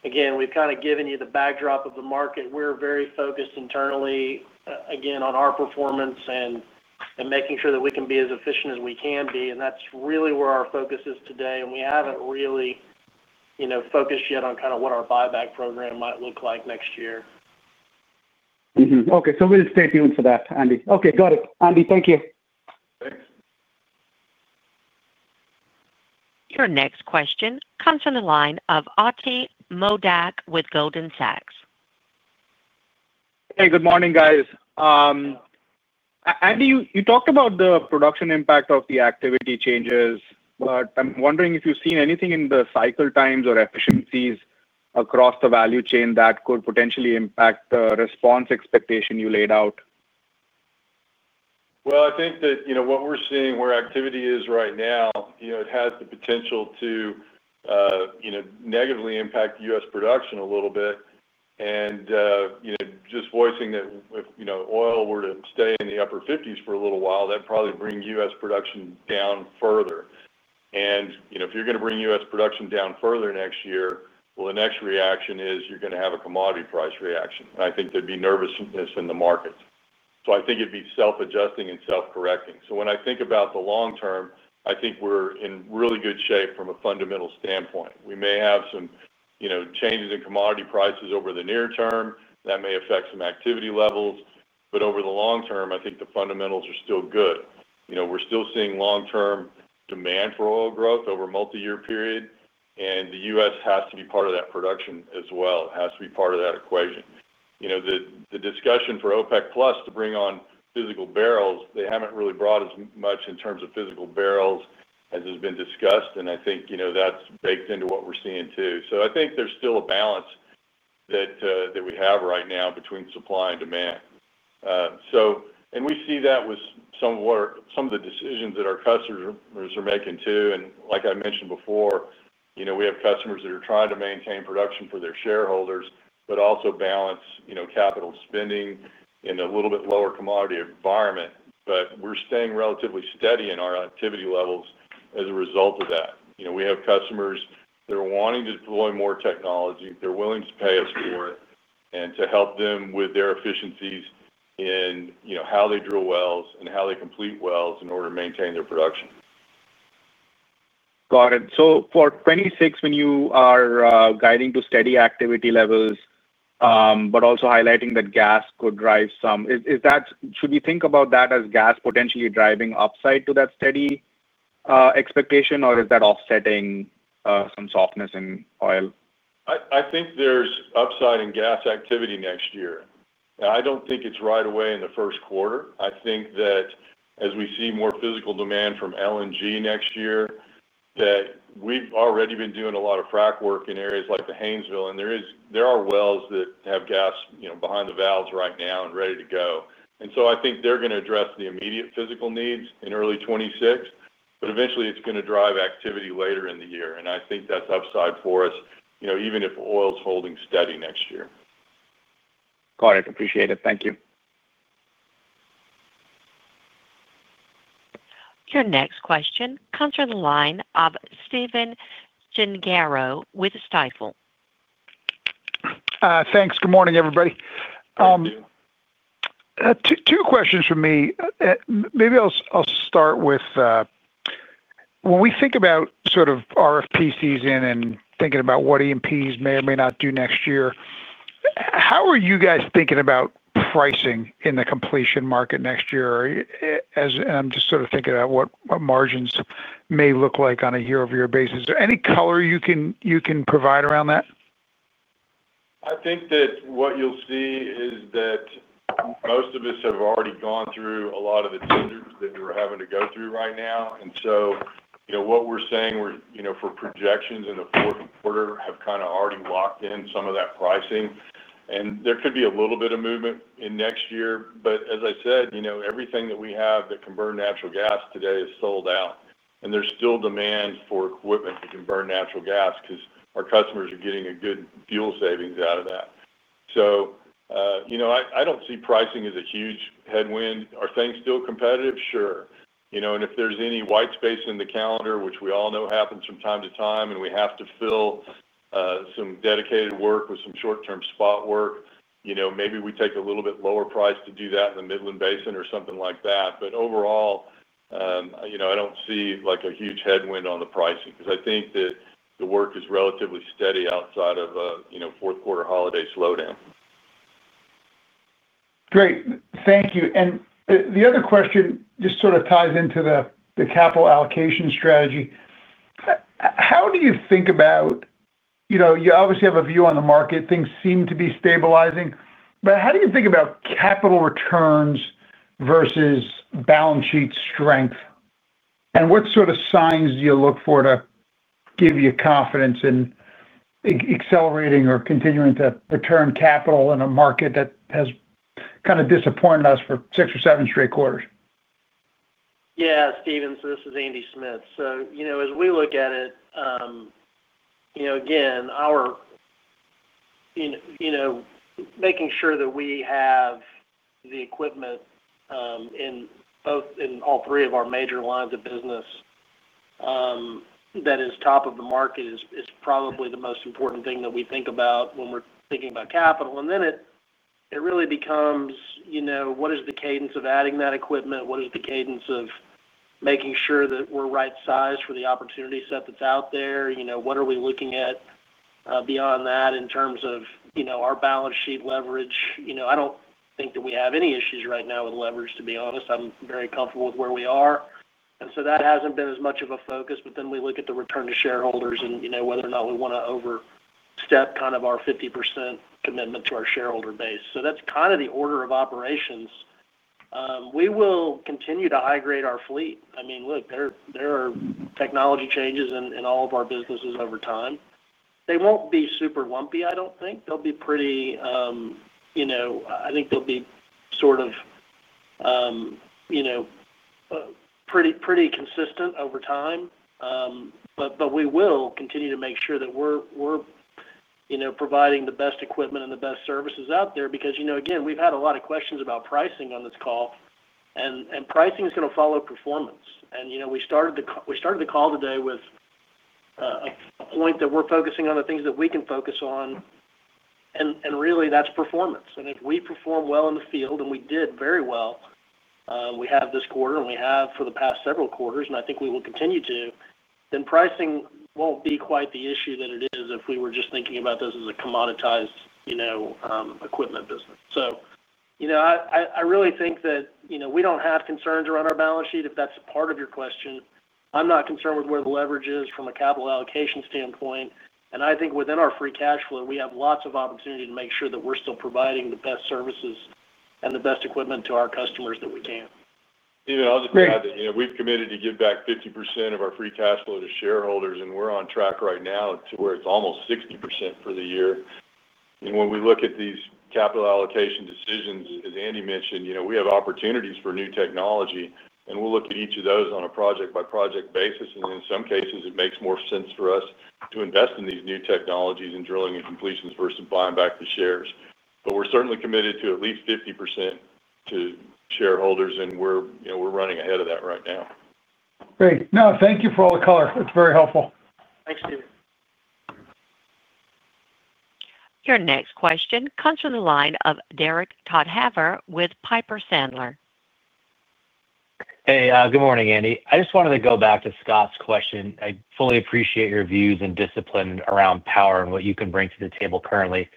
We've kind of given you the backdrop of the market. We're very focused internally on our performance and making sure that we can be as efficient as we can be. That's really where our focus is today. We haven't really focused yet on what our buyback program might look like next year. Okay, we'll stay tuned for that, Andy. Okay, got it. Andy, thank you. Thanks. Your next question comes from the line of Atidrip Modak with Goldman Sachs. Hey, good morning, guys. Andy, you talked about the production impact of the activity changes, but I'm wondering if you've seen anything in the cycle times or efficiencies across the value chain that could potentially impact the response expectation you laid out? I think that what we're seeing where activity is right now has the potential to negatively impact U.S. production a little bit. Just voicing that if oil were to stay in the upper $50s for a little while, that'd probably bring U.S. production down further. If you're going to bring U.S. production down further next year, the next reaction is you're going to have a commodity price reaction. I think there'd be nervousness in the markets. I think it'd be self-adjusting and self-correcting. When I think about the long term, I think we're in really good shape from a fundamental standpoint. We may have some changes in commodity prices over the near term that may affect some activity levels. Over the long term, I think the fundamentals are still good. We're still seeing long-term demand for oil growth over a multi-year period, and the U.S. has to be part of that production as well. It has to be part of that equation. The discussion for OPEC+ to bring on physical barrels, they haven't really brought as much in terms of physical barrels as has been discussed. I think that's baked into what we're seeing too. I think there's still a balance that we have right now between supply and demand, and we see that with some of the decisions that our customers are making too. Like I mentioned before, we have customers that are trying to maintain production for their shareholders, but also balance capital spending in a little bit lower commodity environment. We're staying relatively steady in our activity levels as a result of that. We have customers that are wanting to deploy more technology. They're willing to pay us for it and to help them with their efficiencies in how they drill wells and how they complete wells in order to maintain their production. Got it. For 2026, when you are guiding to steady activity levels but also highlighting that gas could drive some, is that, should we think about that as gas potentially driving upside to that steady expectation, or is that offsetting some softness in oil? I think there's upside in gas activity next year. I don't think it's right away in the first quarter. I think that as we see more physical demand from LNG next year, we've already been doing a lot of frac work in areas like the Haynesville, and there are wells that have gas, you know, behind the valves right now and ready to go. I think they're going to address the immediate physical needs in early 2026, but eventually it's going to drive activity later in the year. I think that's upside for us, you know, even if oil's holding steady next year. Got it. Appreciate it. Thank you. Your next question comes from the line of Stephen Gengaro with Stifel. Thanks. Good morning, everybody. Morning to you. Two questions from me. Maybe I'll start with, when we think about sort of RFP season and thinking about what EMPs may or may not do next year, how are you guys thinking about pricing in the completion market next year? I'm just sort of thinking about what margins may look like on a year-over-year basis. Is there any color you can provide around that? I think that what you'll see is that most of us have already gone through a lot of the tenders that we're having to go through right now. What we're saying for projections in the fourth quarter have kind of already locked in some of that pricing. There could be a little bit of movement in next year. As I said, everything that we have that can burn natural gas today is sold out. There's still demand for equipment that can burn natural gas because our customers are getting a good fuel savings out of that. I don't see pricing as a huge headwind. Are things still competitive? Sure. If there's any white space in the calendar, which we all know happens from time to time, and we have to fill some dedicated work with some short-term spot work, maybe we take a little bit lower price to do that in the Midland Basin or something like that. Overall, I don't see a huge headwind on the pricing because I think that the work is relatively steady outside of a fourth quarter holiday slowdown. Great. Thank you. The other question just sort of ties into the capital allocation strategy. How do you think about, you know, you obviously have a view on the market. Things seem to be stabilizing. How do you think about capital returns versus balance sheet strength? What sort of signs do you look for to give you confidence in accelerating or continuing to return capital in a market that has kind of disappointed us for six or seven straight quarters? Yeah, Steven. This is Andy Smith. As we look at it, making sure that we have the equipment in all three of our major lines of business that is top of the market is probably the most important thing that we think about when we're thinking about capital. It really becomes what is the cadence of adding that equipment, what is the cadence of making sure that we're right-sized for the opportunity set that's out there, and what are we looking at beyond that in terms of our balance sheet leverage. I don't think that we have any issues right now with leverage, to be honest. I'm very comfortable with where we are, and that hasn't been as much of a focus. We look at the return to shareholders and whether or not we want to overstep our 50% commitment to our shareholder base. That's the order of operations. We will continue to high grade our fleet. There are technology changes in all of our businesses over time. They won't be super lumpy, I don't think. They'll be pretty consistent over time, but we will continue to make sure that we're providing the best equipment and the best services out there because we've had a lot of questions about pricing on this call. Pricing is going to follow performance. We started the call today with a point that we're focusing on the things that we can focus on, and really, that's performance. If we perform well in the field, and we did very well, we have this quarter and we have for the past several quarters, and I think we will continue to, then pricing won't be quite the issue that it is if we were just thinking about this as a commoditized equipment business. I really think that we don't have concerns around our balance sheet. If that's a part of your question, I'm not concerned with where the leverage is from a capital allocation standpoint. I think within our free cash flow, we have lots of opportunity to make sure that we're still providing the best services and the best equipment to our customers that we can. Yeah, I was just going to add that, you know, we've committed to give back 50% of our free cash flow to shareholders, and we're on track right now to where it's almost 60% for the year. When we look at these capital allocation decisions, as Andy mentioned, you know, we have opportunities for new technology, and we'll look at each of those on a project-by-project basis. In some cases, it makes more sense for us to invest in these new technologies in drilling and completions versus buying back the shares. We're certainly committed to at least 50% to shareholders, and we're, you know, we're running ahead of that right now. Great. No, thank you for all the color. It's very helpful. Thanks, Steven. Your next question comes from the line of Derek Podhaizer with Piper Sandler. Hey, good morning, Andy. I just wanted to go back to Scott's question. I fully appreciate your views and discipline around power and what you can bring to the table currently.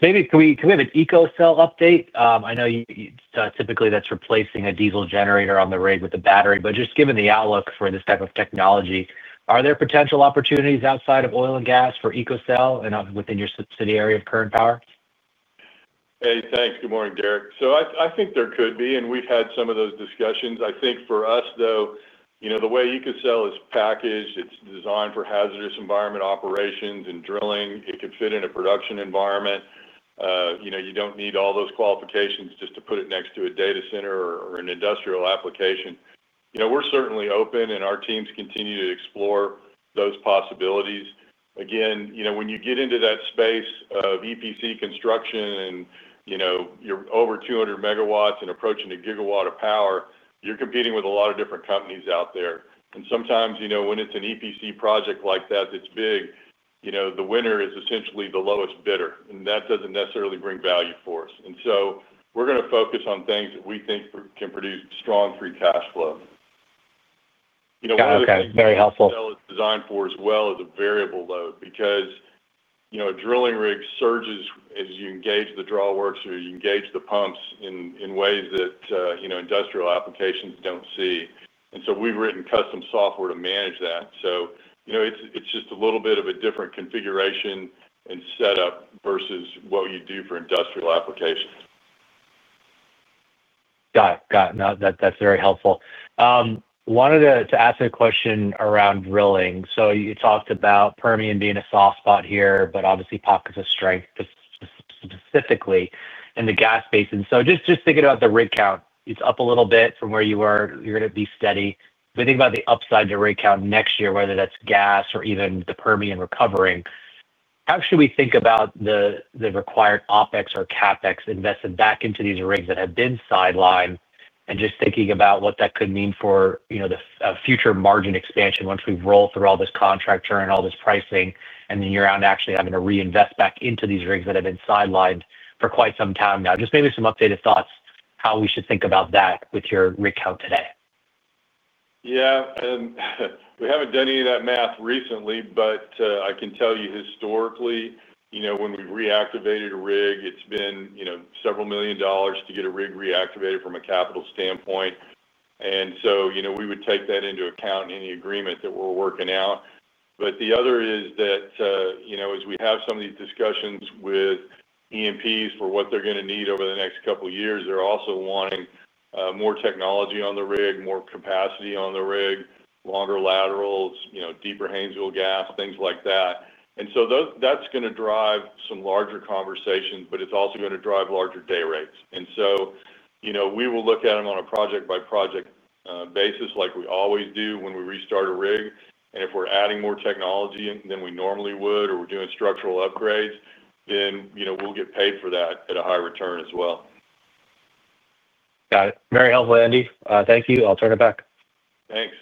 Maybe can we have an EcoCell update? I know typically that's replacing a diesel generator on the rig with the battery, just given the outlook for this type of technology, are there potential opportunities outside of oil and gas for EcoCell and within your subsidiary of CurrentPower? Hey, thanks. Good morning, Derek. I think there could be, and we've had some of those discussions. I think for us, though, the way EcoCell is packaged, it's designed for hazardous environment operations and drilling. It could fit in a production environment. You don't need all those qualifications just to put it next to a data center or an industrial application. We're certainly open, and our teams continue to explore those possibilities. Again, when you get into that space of EPC construction and you're over 200 megawatts and approaching a gigawatt of power, you're competing with a lot of different companies out there. Sometimes, when it's an EPC project like that that's big, the winner is essentially the lowest bidder, and that doesn't necessarily bring value for us. We're going to focus on things that we think can produce strong free cash flow. That's very helpful. What EcoCell is designed for as well is a variable load because, you know, a drilling rig surges as you engage the drawworks or you engage the pumps in ways that, you know, industrial applications don't see. We've written custom software to manage that. It's just a little bit of a different configuration and setup versus what you do for industrial applications. Got it. No, that's very helpful. I wanted to ask a question around drilling. You talked about Permian being a soft spot here, but obviously pump is a strength just specifically in the gas basin. Just thinking about the rig count, it's up a little bit from where you were. You're going to be steady. If we think about the upside to rig count next year, whether that's gas or even the Permian recovering, how should we think about the required OpEx or CapEx invested back into these rigs that have been sidelined and just thinking about what that could mean for the future margin expansion once we roll through all this contract churn and all this pricing and then you're out and actually having to reinvest back into these rigs that have been sidelined for quite some time now? Maybe some updated thoughts on how we should think about that with your rig count today. Yeah, and we haven't done any of that math recently, but I can tell you historically, when we've reactivated a rig, it's been several million dollars to get a rig reactivated from a capital standpoint. We would take that into account in any agreement that we're working out. The other is that as we have some of these discussions with EMPs for what they're going to need over the next couple of years, they're also wanting more technology on the rig, more capacity on the rig, longer laterals, deeper Haynesville gas, things like that. That's going to drive some larger conversations, but it's also going to drive larger day rates. We will look at them on a project-by-project basis like we always do when we restart a rig. If we're adding more technology than we normally would or we're doing structural upgrades, then we'll get paid for that at a high return as well. Got it. Very helpful, Andy. Thank you. I'll turn it back. Thanks.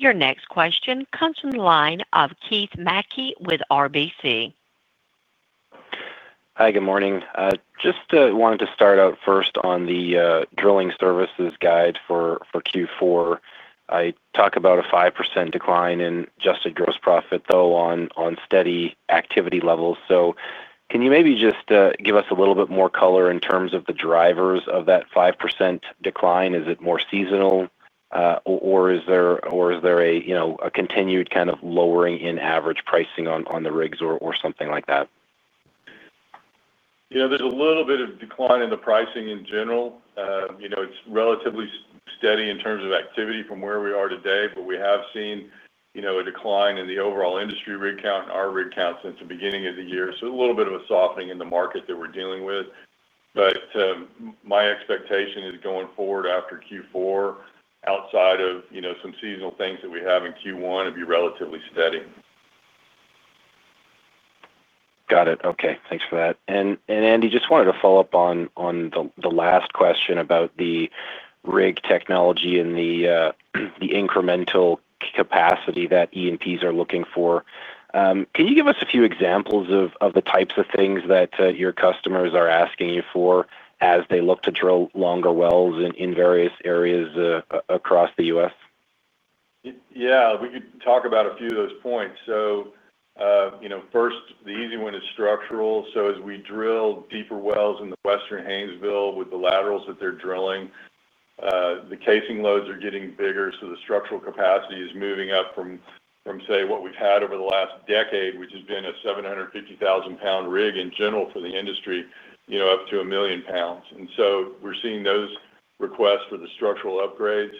Your next question comes from the line of Keith Mackey with RBC. Hi, good morning. I just wanted to start out first on the drilling services guide for Q4. You talk about a 5% decline in adjusted gross profit, though, on steady activity levels. Can you maybe just give us a little bit more color in terms of the drivers of that 5% decline? Is it more seasonal, or is there a continued kind of lowering in average pricing on the rigs or something like that? You know, there's a little bit of decline in the pricing in general. It's relatively steady in terms of activity from where we are today, but we have seen a decline in the overall industry rig count and our rig count since the beginning of the year. A little bit of a softening in the market that we're dealing with. My expectation is going forward after Q4, outside of some seasonal things that we have in Q1, it'd be relatively steady. Got it. Okay, thanks for that. Andy, I just wanted to follow up on the last question about the rig technology and the incremental capacity that E&Ps are looking for. Can you give us a few examples of the types of things that your customers are asking you for as they look to drill longer wells in various areas across the U.S.? Yeah, we could talk about a few of those points. First, the easy one is structural. As we drill deeper wells in the Western Haynesville with the laterals that they're drilling, the casing loads are getting bigger. The structural capacity is moving up from, say, what we've had over the last decade, which has been a 750,000-pound rig in general for the industry, up to a million pounds. We're seeing those requests for the structural upgrades.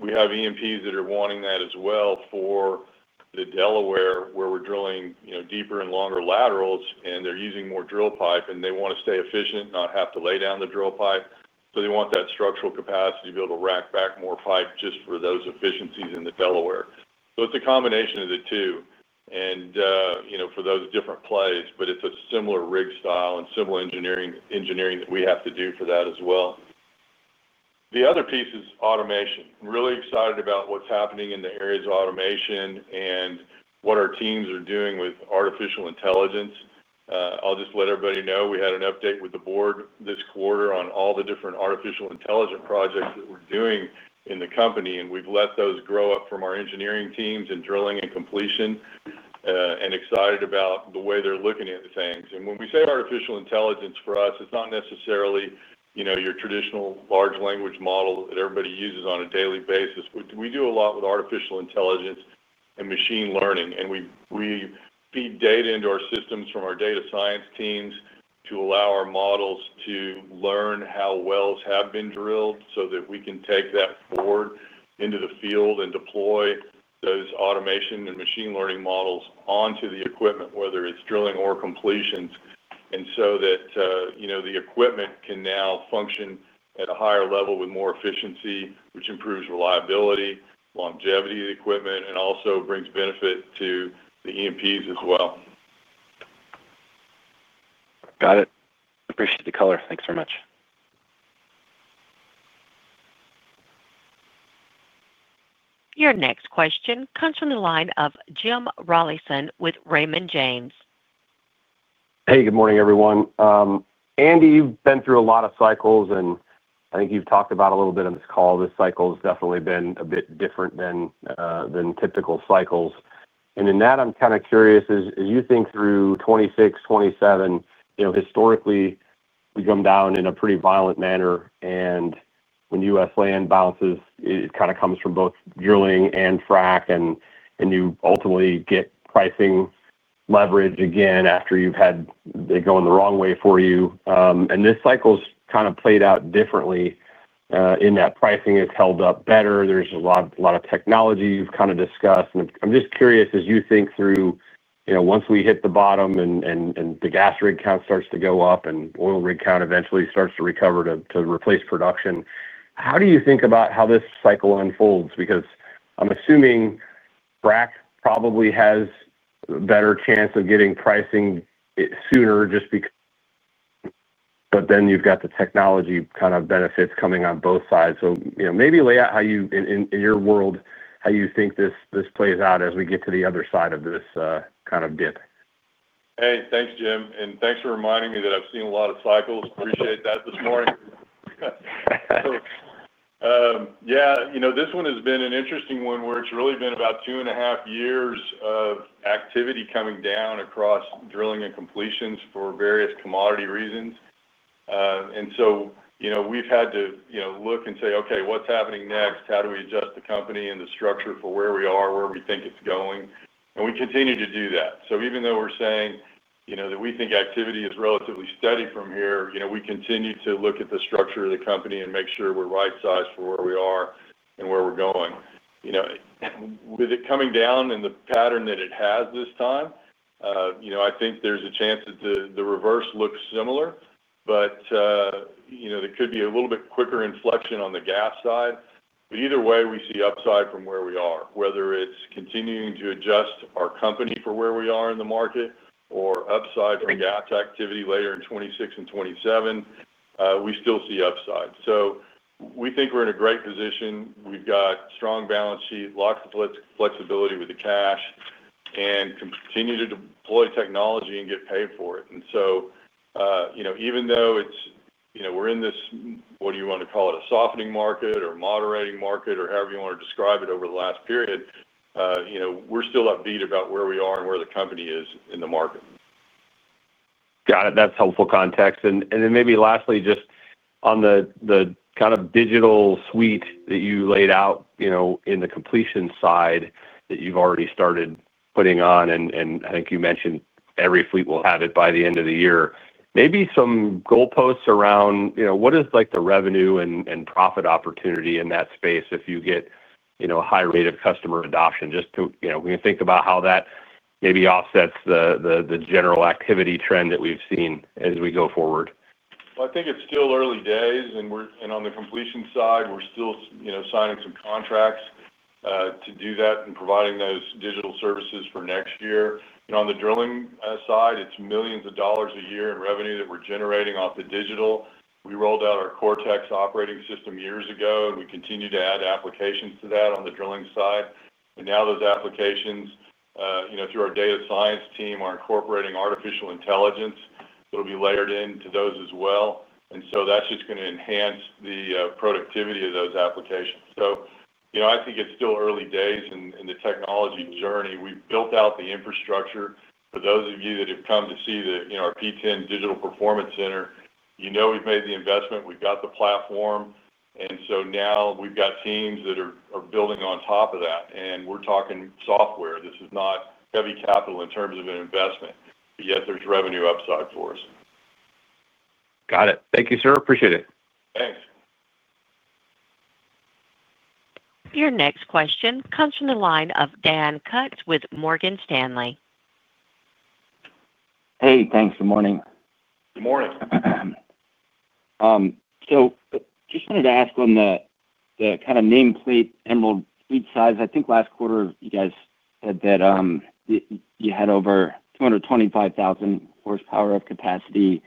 We have E&Ps that are wanting that as well for the Delaware, where we're drilling deeper and longer laterals, and they're using more drill pipe, and they want to stay efficient and not have to lay down the drill pipe. They want that structural capacity to be able to rack back more pipe just for those efficiencies in the Delaware. It's a combination of the two for those different plays, but it's a similar rig style and similar engineering that we have to do for that as well. The other piece is automation. I'm really excited about what's happening in the areas of automation and what our teams are doing with artificial intelligence. I'll just let everybody know we had an update with the board this quarter on all the different artificial intelligence projects that we're doing in the company, and we've let those grow up from our engineering teams and drilling and completion, and excited about the way they're looking at things. When we say artificial intelligence, for us, it's not necessarily your traditional large language model that everybody uses on a daily basis. We do a lot with artificial intelligence and machine learning. We feed data into our systems from our data science teams to allow our models to learn how wells have been drilled so that we can take that forward into the field and deploy those automation and machine learning models onto the equipment, whether it's drilling or completions. The equipment can now function at a higher level with more efficiency, which improves reliability, longevity of the equipment, and also brings benefit to the E&Ps as well. Got it. Appreciate the color. Thanks very much. Your next question comes from the line of Jim Rollyson with Raymond James. Hey, good morning, everyone. Andy, you've been through a lot of cycles, and I think you've talked about a little bit on this call. This cycle has definitely been a bit different than typical cycles. In that, I'm kind of curious, as you think through 2026, 2027, you know, historically, we come down in a pretty violent manner. When U.S. land bounces, it kind of comes from both drilling and frac, and you ultimately get pricing leverage again after you've had it going the wrong way for you. This cycle's kind of played out differently, in that pricing has held up better. There's a lot of technology you've kind of discussed. I'm just curious, as you think through, you know, once we hit the bottom and the gas rig count starts to go up and oil rig count eventually starts to recover to replace production, how do you think about how this cycle unfolds? I'm assuming frac probably has a better chance of getting pricing sooner just because, but then you've got the technology kind of benefits coming on both sides. Maybe lay out how you, in your world, how you think this plays out as we get to the other side of this kind of dip. Hey, thanks, Jim. Thanks for reminding me that I've seen a lot of cycles. Appreciate that this morning. This one has been an interesting one where it's really been about two and a half years of activity coming down across drilling and completions for various commodity reasons. We've had to look and say, okay, what's happening next? How do we adjust the company and the structure for where we are, where we think it's going? We continue to do that. Even though we're saying that we think activity is relatively steady from here, we continue to look at the structure of the company and make sure we're right-sized for where we are and where we're going. With it coming down in the pattern that it has this time, I think there's a chance that the reverse looks similar. There could be a little bit quicker inflection on the gas side. Either way, we see upside from where we are, whether it's continuing to adjust our company for where we are in the market or upside from gas activity later in 2026 and 2027, we still see upside. We think we're in a great position. We've got strong balance sheet, lots of flexibility with the cash, and continue to deploy technology and get paid for it. Even though we're in this, what do you want to call it, a softening market or a moderating market or however you want to describe it over the last period, we're still upbeat about where we are and where the company is in the market. Got it. That's helpful context. Lastly, just on the kind of digital suite that you laid out, in the completion side that you've already started putting on, I think you mentioned every fleet will have it by the end of the year. Maybe some goalposts around what is like the revenue and profit opportunity in that space if you get a high rate of customer adoption, just so we can think about how that maybe offsets the general activity trend that we've seen as we go forward. I think it's still early days, and on the completion side, we're still signing some contracts to do that and providing those digital services for next year. On the drilling side, it's millions of dollars a year in revenue that we're generating off the digital. We rolled out our Cortex digital suite years ago, and we continue to add applications to that on the drilling side. Now those applications, through our data science team, are incorporating artificial intelligence that'll be layered into those as well. That's just going to enhance the productivity of those applications. I think it's still early days in the technology journey. We've built out the infrastructure for those of you that have come to see our P10 Digital Performance Center. We've made the investment. We've got the platform. Now we've got teams that are building on top of that. We're talking software. This is not heavy capital in terms of an investment. Yes, there's revenue upside for us. Got it. Thank you, sir. Appreciate it. Thanks. Your next question comes from the line of Dan Kutz with Morgan Stanley. Hey, thanks. Good morning. Good morning. I just wanted to ask on the kind of named fleet Emerald fleet size. I think last quarter you guys said that you had over 225,000 horsepower of capacity,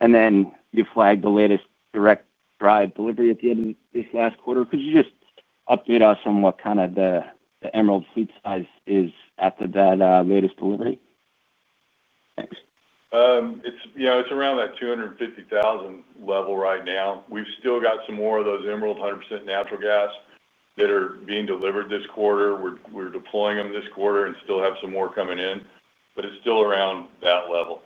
and you flagged the latest direct-drive delivery at the end of this last quarter. Could you just update us on what kind of the Emerald fleet size is after that latest delivery? It's around that 250,000 level right now. We've still got some more of those Emerald 100% natural gas that are being delivered this quarter. We're deploying them this quarter and still have some more coming in. It's still around that level.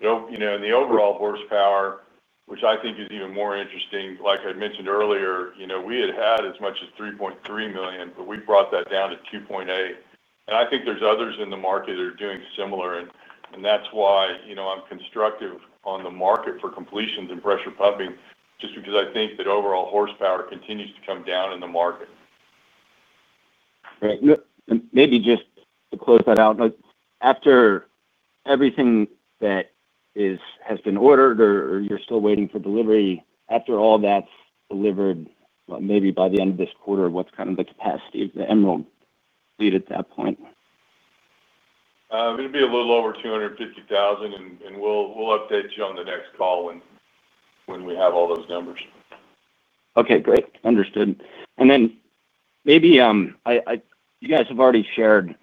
In the overall horsepower, which I think is even more interesting, like I mentioned earlier, we had had as much as 3.3 million, but we brought that down to 2.8 million. I think there's others in the market that are doing similar. That's why I'm constructive on the market for completions and pressure pumping just because I think that overall horsepower continues to come down in the market. Right. Maybe just to close that out, after everything that has been ordered or you're still waiting for delivery, after all that's delivered, maybe by the end of this quarter, what's kind of the capacity of the Emerald fleet at that point? It'll be a little over $250,000. We'll update you on the next call when we have all those numbers. Okay, great. Understood. Maybe you guys have already shared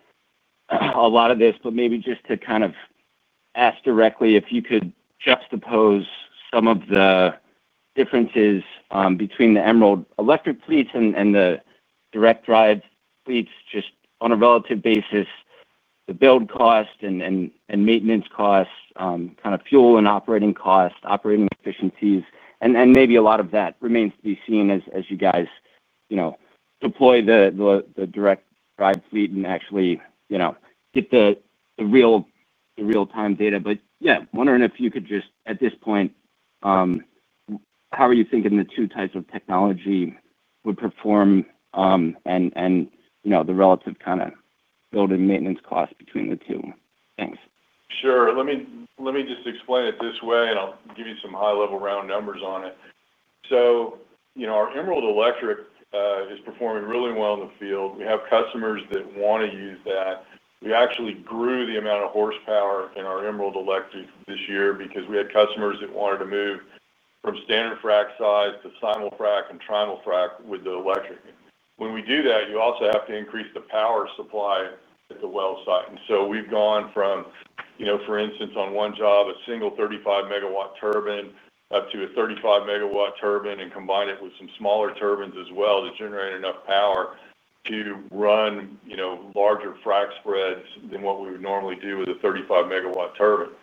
a lot of this, but just to kind of ask directly if you could juxtapose some of the differences between the Emerald electric fleets and the direct-drive fleets just on a relative basis, the build cost and maintenance cost, kind of fuel and operating cost, operating efficiencies. A lot of that remains to be seen as you guys deploy the direct-drive fleet and actually get the real-time data. At this point, how are you thinking the two types of technology would perform, and the relative kind of build and maintenance cost between the two? Thanks. Sure. Let me just explain it this way, and I'll give you some high-level round numbers on it. Our Emerald electric is performing really well in the field. We have customers that want to use that. We actually grew the amount of horsepower in our Emerald electric this year because we had customers that wanted to move from standard frac size to simul frac and trimul frac with the electric. When we do that, you also have to increase the power supply at the well site. We've gone from, for instance, on one job, a single 35-megawatt turbine up to a 35-megawatt turbine and combined it with some smaller turbines as well to generate enough power to run larger frac spreads than what we would normally do with a 35-megawatt turbine.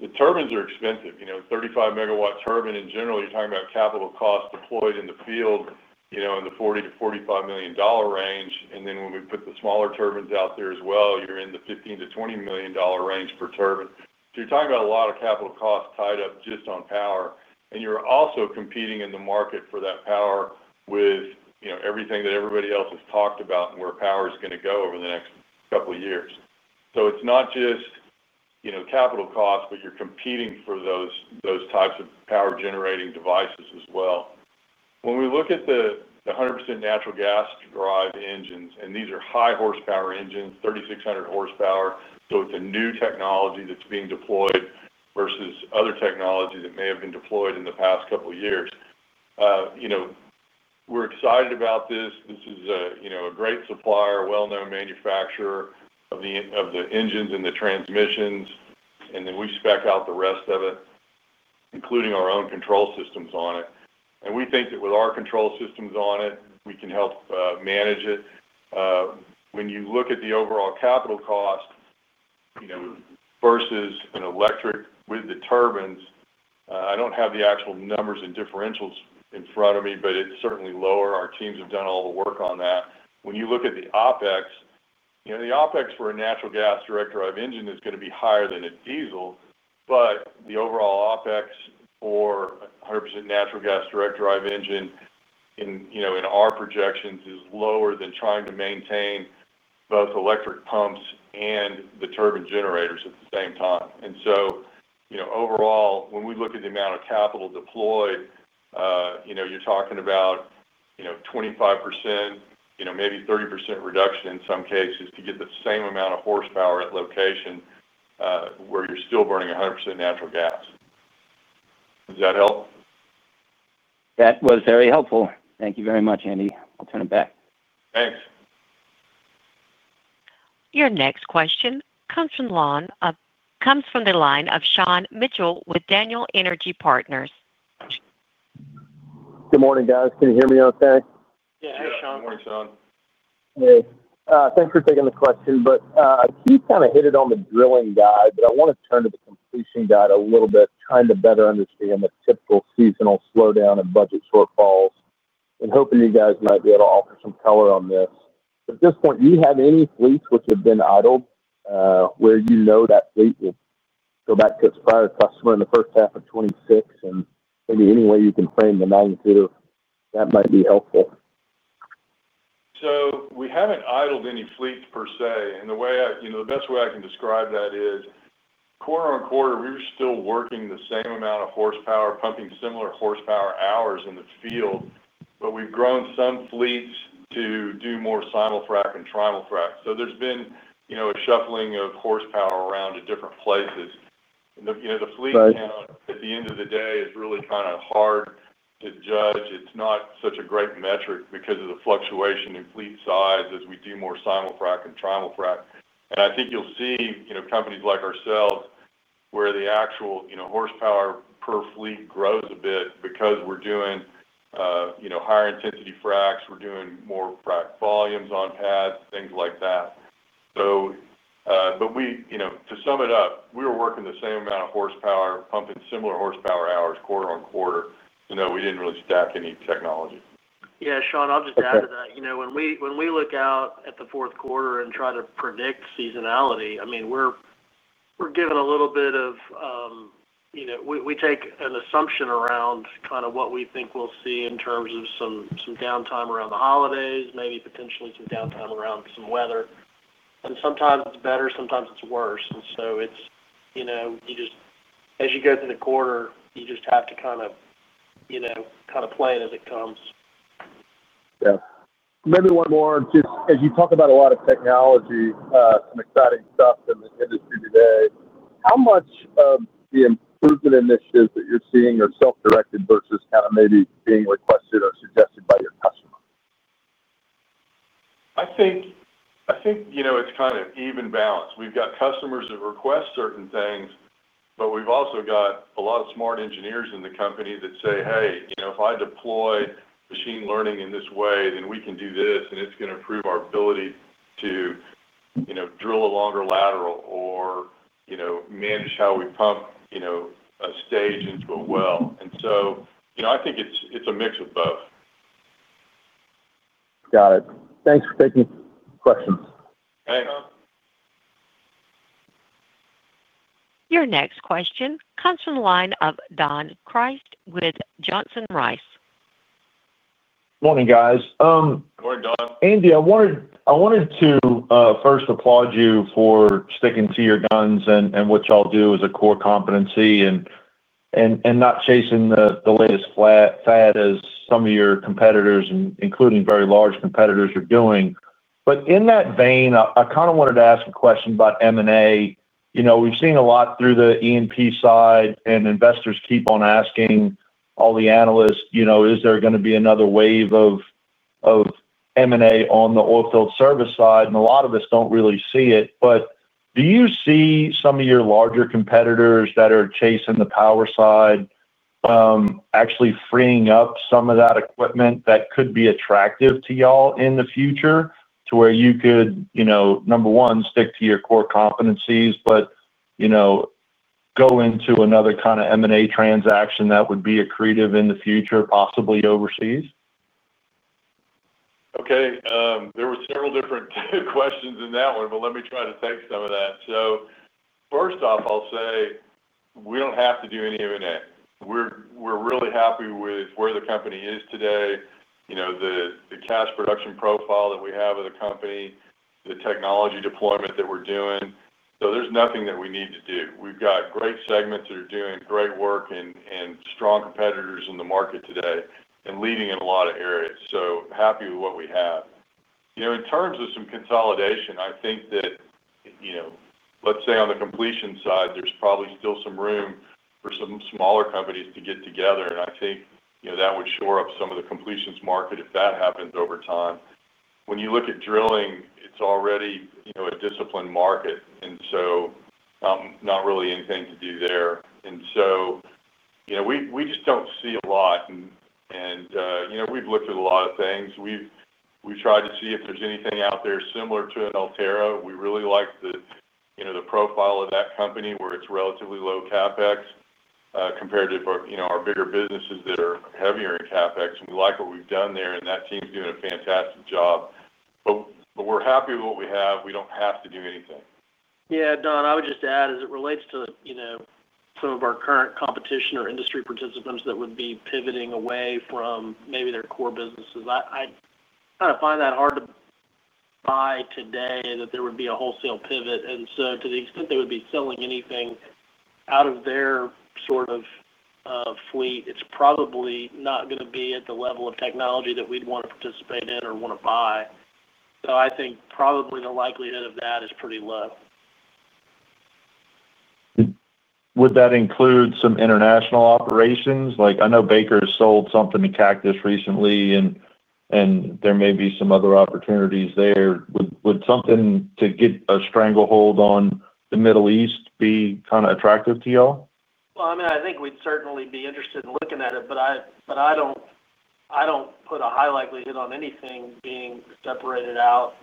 The turbines are expensive. A 35-megawatt turbine in general, you're talking about capital costs deployed in the field, in the $40 million-$45 million range. When we put the smaller turbines out there as well, you're in the $15 million-$20 million range per turbine. You're talking about a lot of capital costs tied up just on power. You're also competing in the market for that power with everything that everybody else has talked about and where power is going to go over the next couple of years. It's not just capital costs, but you're competing for those types of power-generating devices as well. When we look at the 100% natural gas drive engines, and these are high horsepower engines, 3,600 horsepower. It's a new technology that's being deployed versus other technology that may have been deployed in the past couple of years. We're excited about this. This is a great supplier, a well-known manufacturer of the engines and the transmissions. We spec out the rest of it, including our own control systems on it. We think that with our control systems on it, we can help manage it. When you look at the overall capital cost versus an electric with the turbines, I don't have the actual numbers and differentials in front of me, but it's certainly lower. Our teams have done all the work on that. When you look at the OpEx, you know, the OpEx for a natural gas direct-drive engine is going to be higher than a diesel, but the overall OpEx for a 100% natural gas direct-drive engine in, you know, in our projections is lower than trying to maintain both electric pumps and the turbine generators at the same time. Overall, when we look at the amount of capital deployed, you know, you're talking about, you know, 25%, maybe 30% reduction in some cases to get the same amount of horsepower at location, where you're still burning 100% natural gas. Does that help? That was very helpful. Thank you very much, Andy. I'll turn it back. Thanks. Your next question comes from the line of Sean Mitchell with Daniel Energy Partners. Good morning, guys. Can you hear me okay? Yeah, hey Sean. Good morning, Sean. Hey, thanks for taking the question. He kind of hit it on the drilling guide. I want to turn to the completion guide a little bit, trying to better understand the typical seasonal slowdown and budget shortfalls. Hoping you guys might be able to offer some color on this. At this point, do you have any fleets which have been idled, where you know that fleet will go back to its prior customer in the first half of 2026? Maybe any way you can frame the magnitude of that might be helpful. We haven't idled any fleets per se. The best way I can describe that is quarter-on-quarter, we were still working the same amount of horsepower, pumping similar horsepower hours in the field, but we've grown some fleets to do more simul frac and trimul frac. There's been a shuffling of horsepower around to different places. The fleet count at the end of the day is really kind of hard to judge. It's not such a great metric because of the fluctuation in fleet size as we do more simul frac and trimul frac. I think you'll see companies like ourselves where the actual horsepower per fleet grows a bit because we're doing higher intensity fracs. We're doing more frac volumes on pads, things like that. To sum it up, we were working the same amount of horsepower, pumping similar horsepower hours quarter-on-quarter. We didn't really stack any technology. Yeah, Sean, I'll just add to that. When we look out at the fourth quarter and try to predict seasonality, we take an assumption around what we think we'll see in terms of some downtime around the holidays, maybe potentially some downtime around some weather. Sometimes it's better, sometimes it's worse. You just, as you go through the quarter, have to kind of play it as it comes. Yeah. Maybe one more. Just as you talk about a lot of technology, some exciting stuff in the industry today, how much of the improvement initiatives that you're seeing are self-directed versus kind of maybe being requested or suggested by your customers? I think the. It's kind of an even balance. We've got customers that request certain things, but we've also got a lot of smart engineers in the company that say, "Hey, you know, if I deploy machine learning in this way, then we can do this, and it's going to improve our ability to, you know, drill a longer lateral or, you know, manage how we pump a stage into a well." I think it's a mix of both. Got it. Thanks for taking questions. Thanks. Your next question comes from the line of Don Crist with Johnson Rice. Morning, guys. Morning, Don. Andy, I wanted to first applaud you for sticking to your guns and what you all do as a core competency and not chasing the latest fad as some of your competitors, including very large competitors, are doing. In that vein, I kind of wanted to ask a question about M&A. You know, we've seen a lot through the E&P side, and investors keep on asking all the analysts, you know, is there going to be another wave of M&A on the oilfield service side? A lot of us don't really see it. Do you see some of your larger competitors that are chasing the power side actually freeing up some of that equipment that could be attractive to you all in the future to where you could, number one, stick to your core competencies, but, you know, go into another kind of M&A transaction that would be accretive in the future, possibly overseas? Okay. There were several different questions in that one, but let me try to take some of that. First off, I'll say we don't have to do any M&A. We're really happy with where the company is today, the cash production profile that we have with the company, the technology deployment that we're doing. There's nothing that we need to do. We've got great segments that are doing great work and strong competitors in the market today and leading in a lot of areas. Happy with what we have. In terms of some consolidation, I think that, let's say on the completion side, there's probably still some room for some smaller companies to get together. I think that would shore up some of the completions market if that happens over time. When you look at drilling, it's already a disciplined market. Not really anything to do there. We just don't see a lot. We've looked at a lot of things. We've tried to see if there's anything out there similar to an Altera. We really like the profile of that company where it's relatively low CapEx, compared to our bigger businesses that are heavier in CapEx. We like what we've done there, and that team's doing a fantastic job. We're happy with what we have. We don't have to do anything. Yeah, Don, I would just add, as it relates to some of our current competition or industry participants that would be pivoting away from maybe their core businesses, I kind of find that hard to buy today that there would be a wholesale pivot. To the extent they would be selling anything out of their sort of fleet, it's probably not going to be at the level of technology that we'd want to participate in or want to buy. I think probably the likelihood of that is pretty low. Would that include some international operations? Like, I know Baker has sold something to Cactus recently, and there may be some other opportunities there. Would something to get a stranglehold on the Middle East be kind of attractive to you all? I think we'd certainly be interested in looking at it, but I don't put a high likelihood on anything being separated out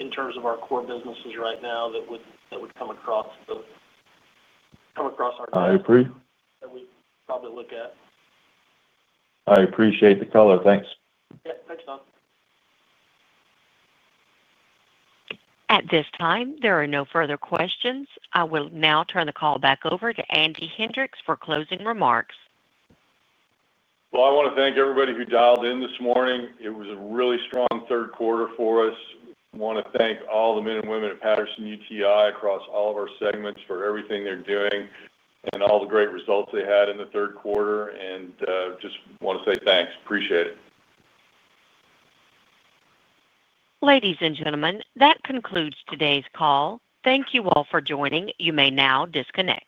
in terms of our core businesses right now that would come across our desk. I agree that we'd probably look at it. I appreciate the color. Thanks. Yeah, thanks, Don. At this time, there are no further questions. I will now turn the call back over to Andy Hendricks for closing remarks. I want to thank everybody who dialed in this morning. It was a really strong third quarter for us. I want to thank all the men and women at Patterson-UTI Energy across all of our segments for everything they're doing and all the great results they had in the third quarter. I just want to say thanks. Appreciate it. Ladies and gentlemen, that concludes today's call. Thank you all for joining. You may now disconnect.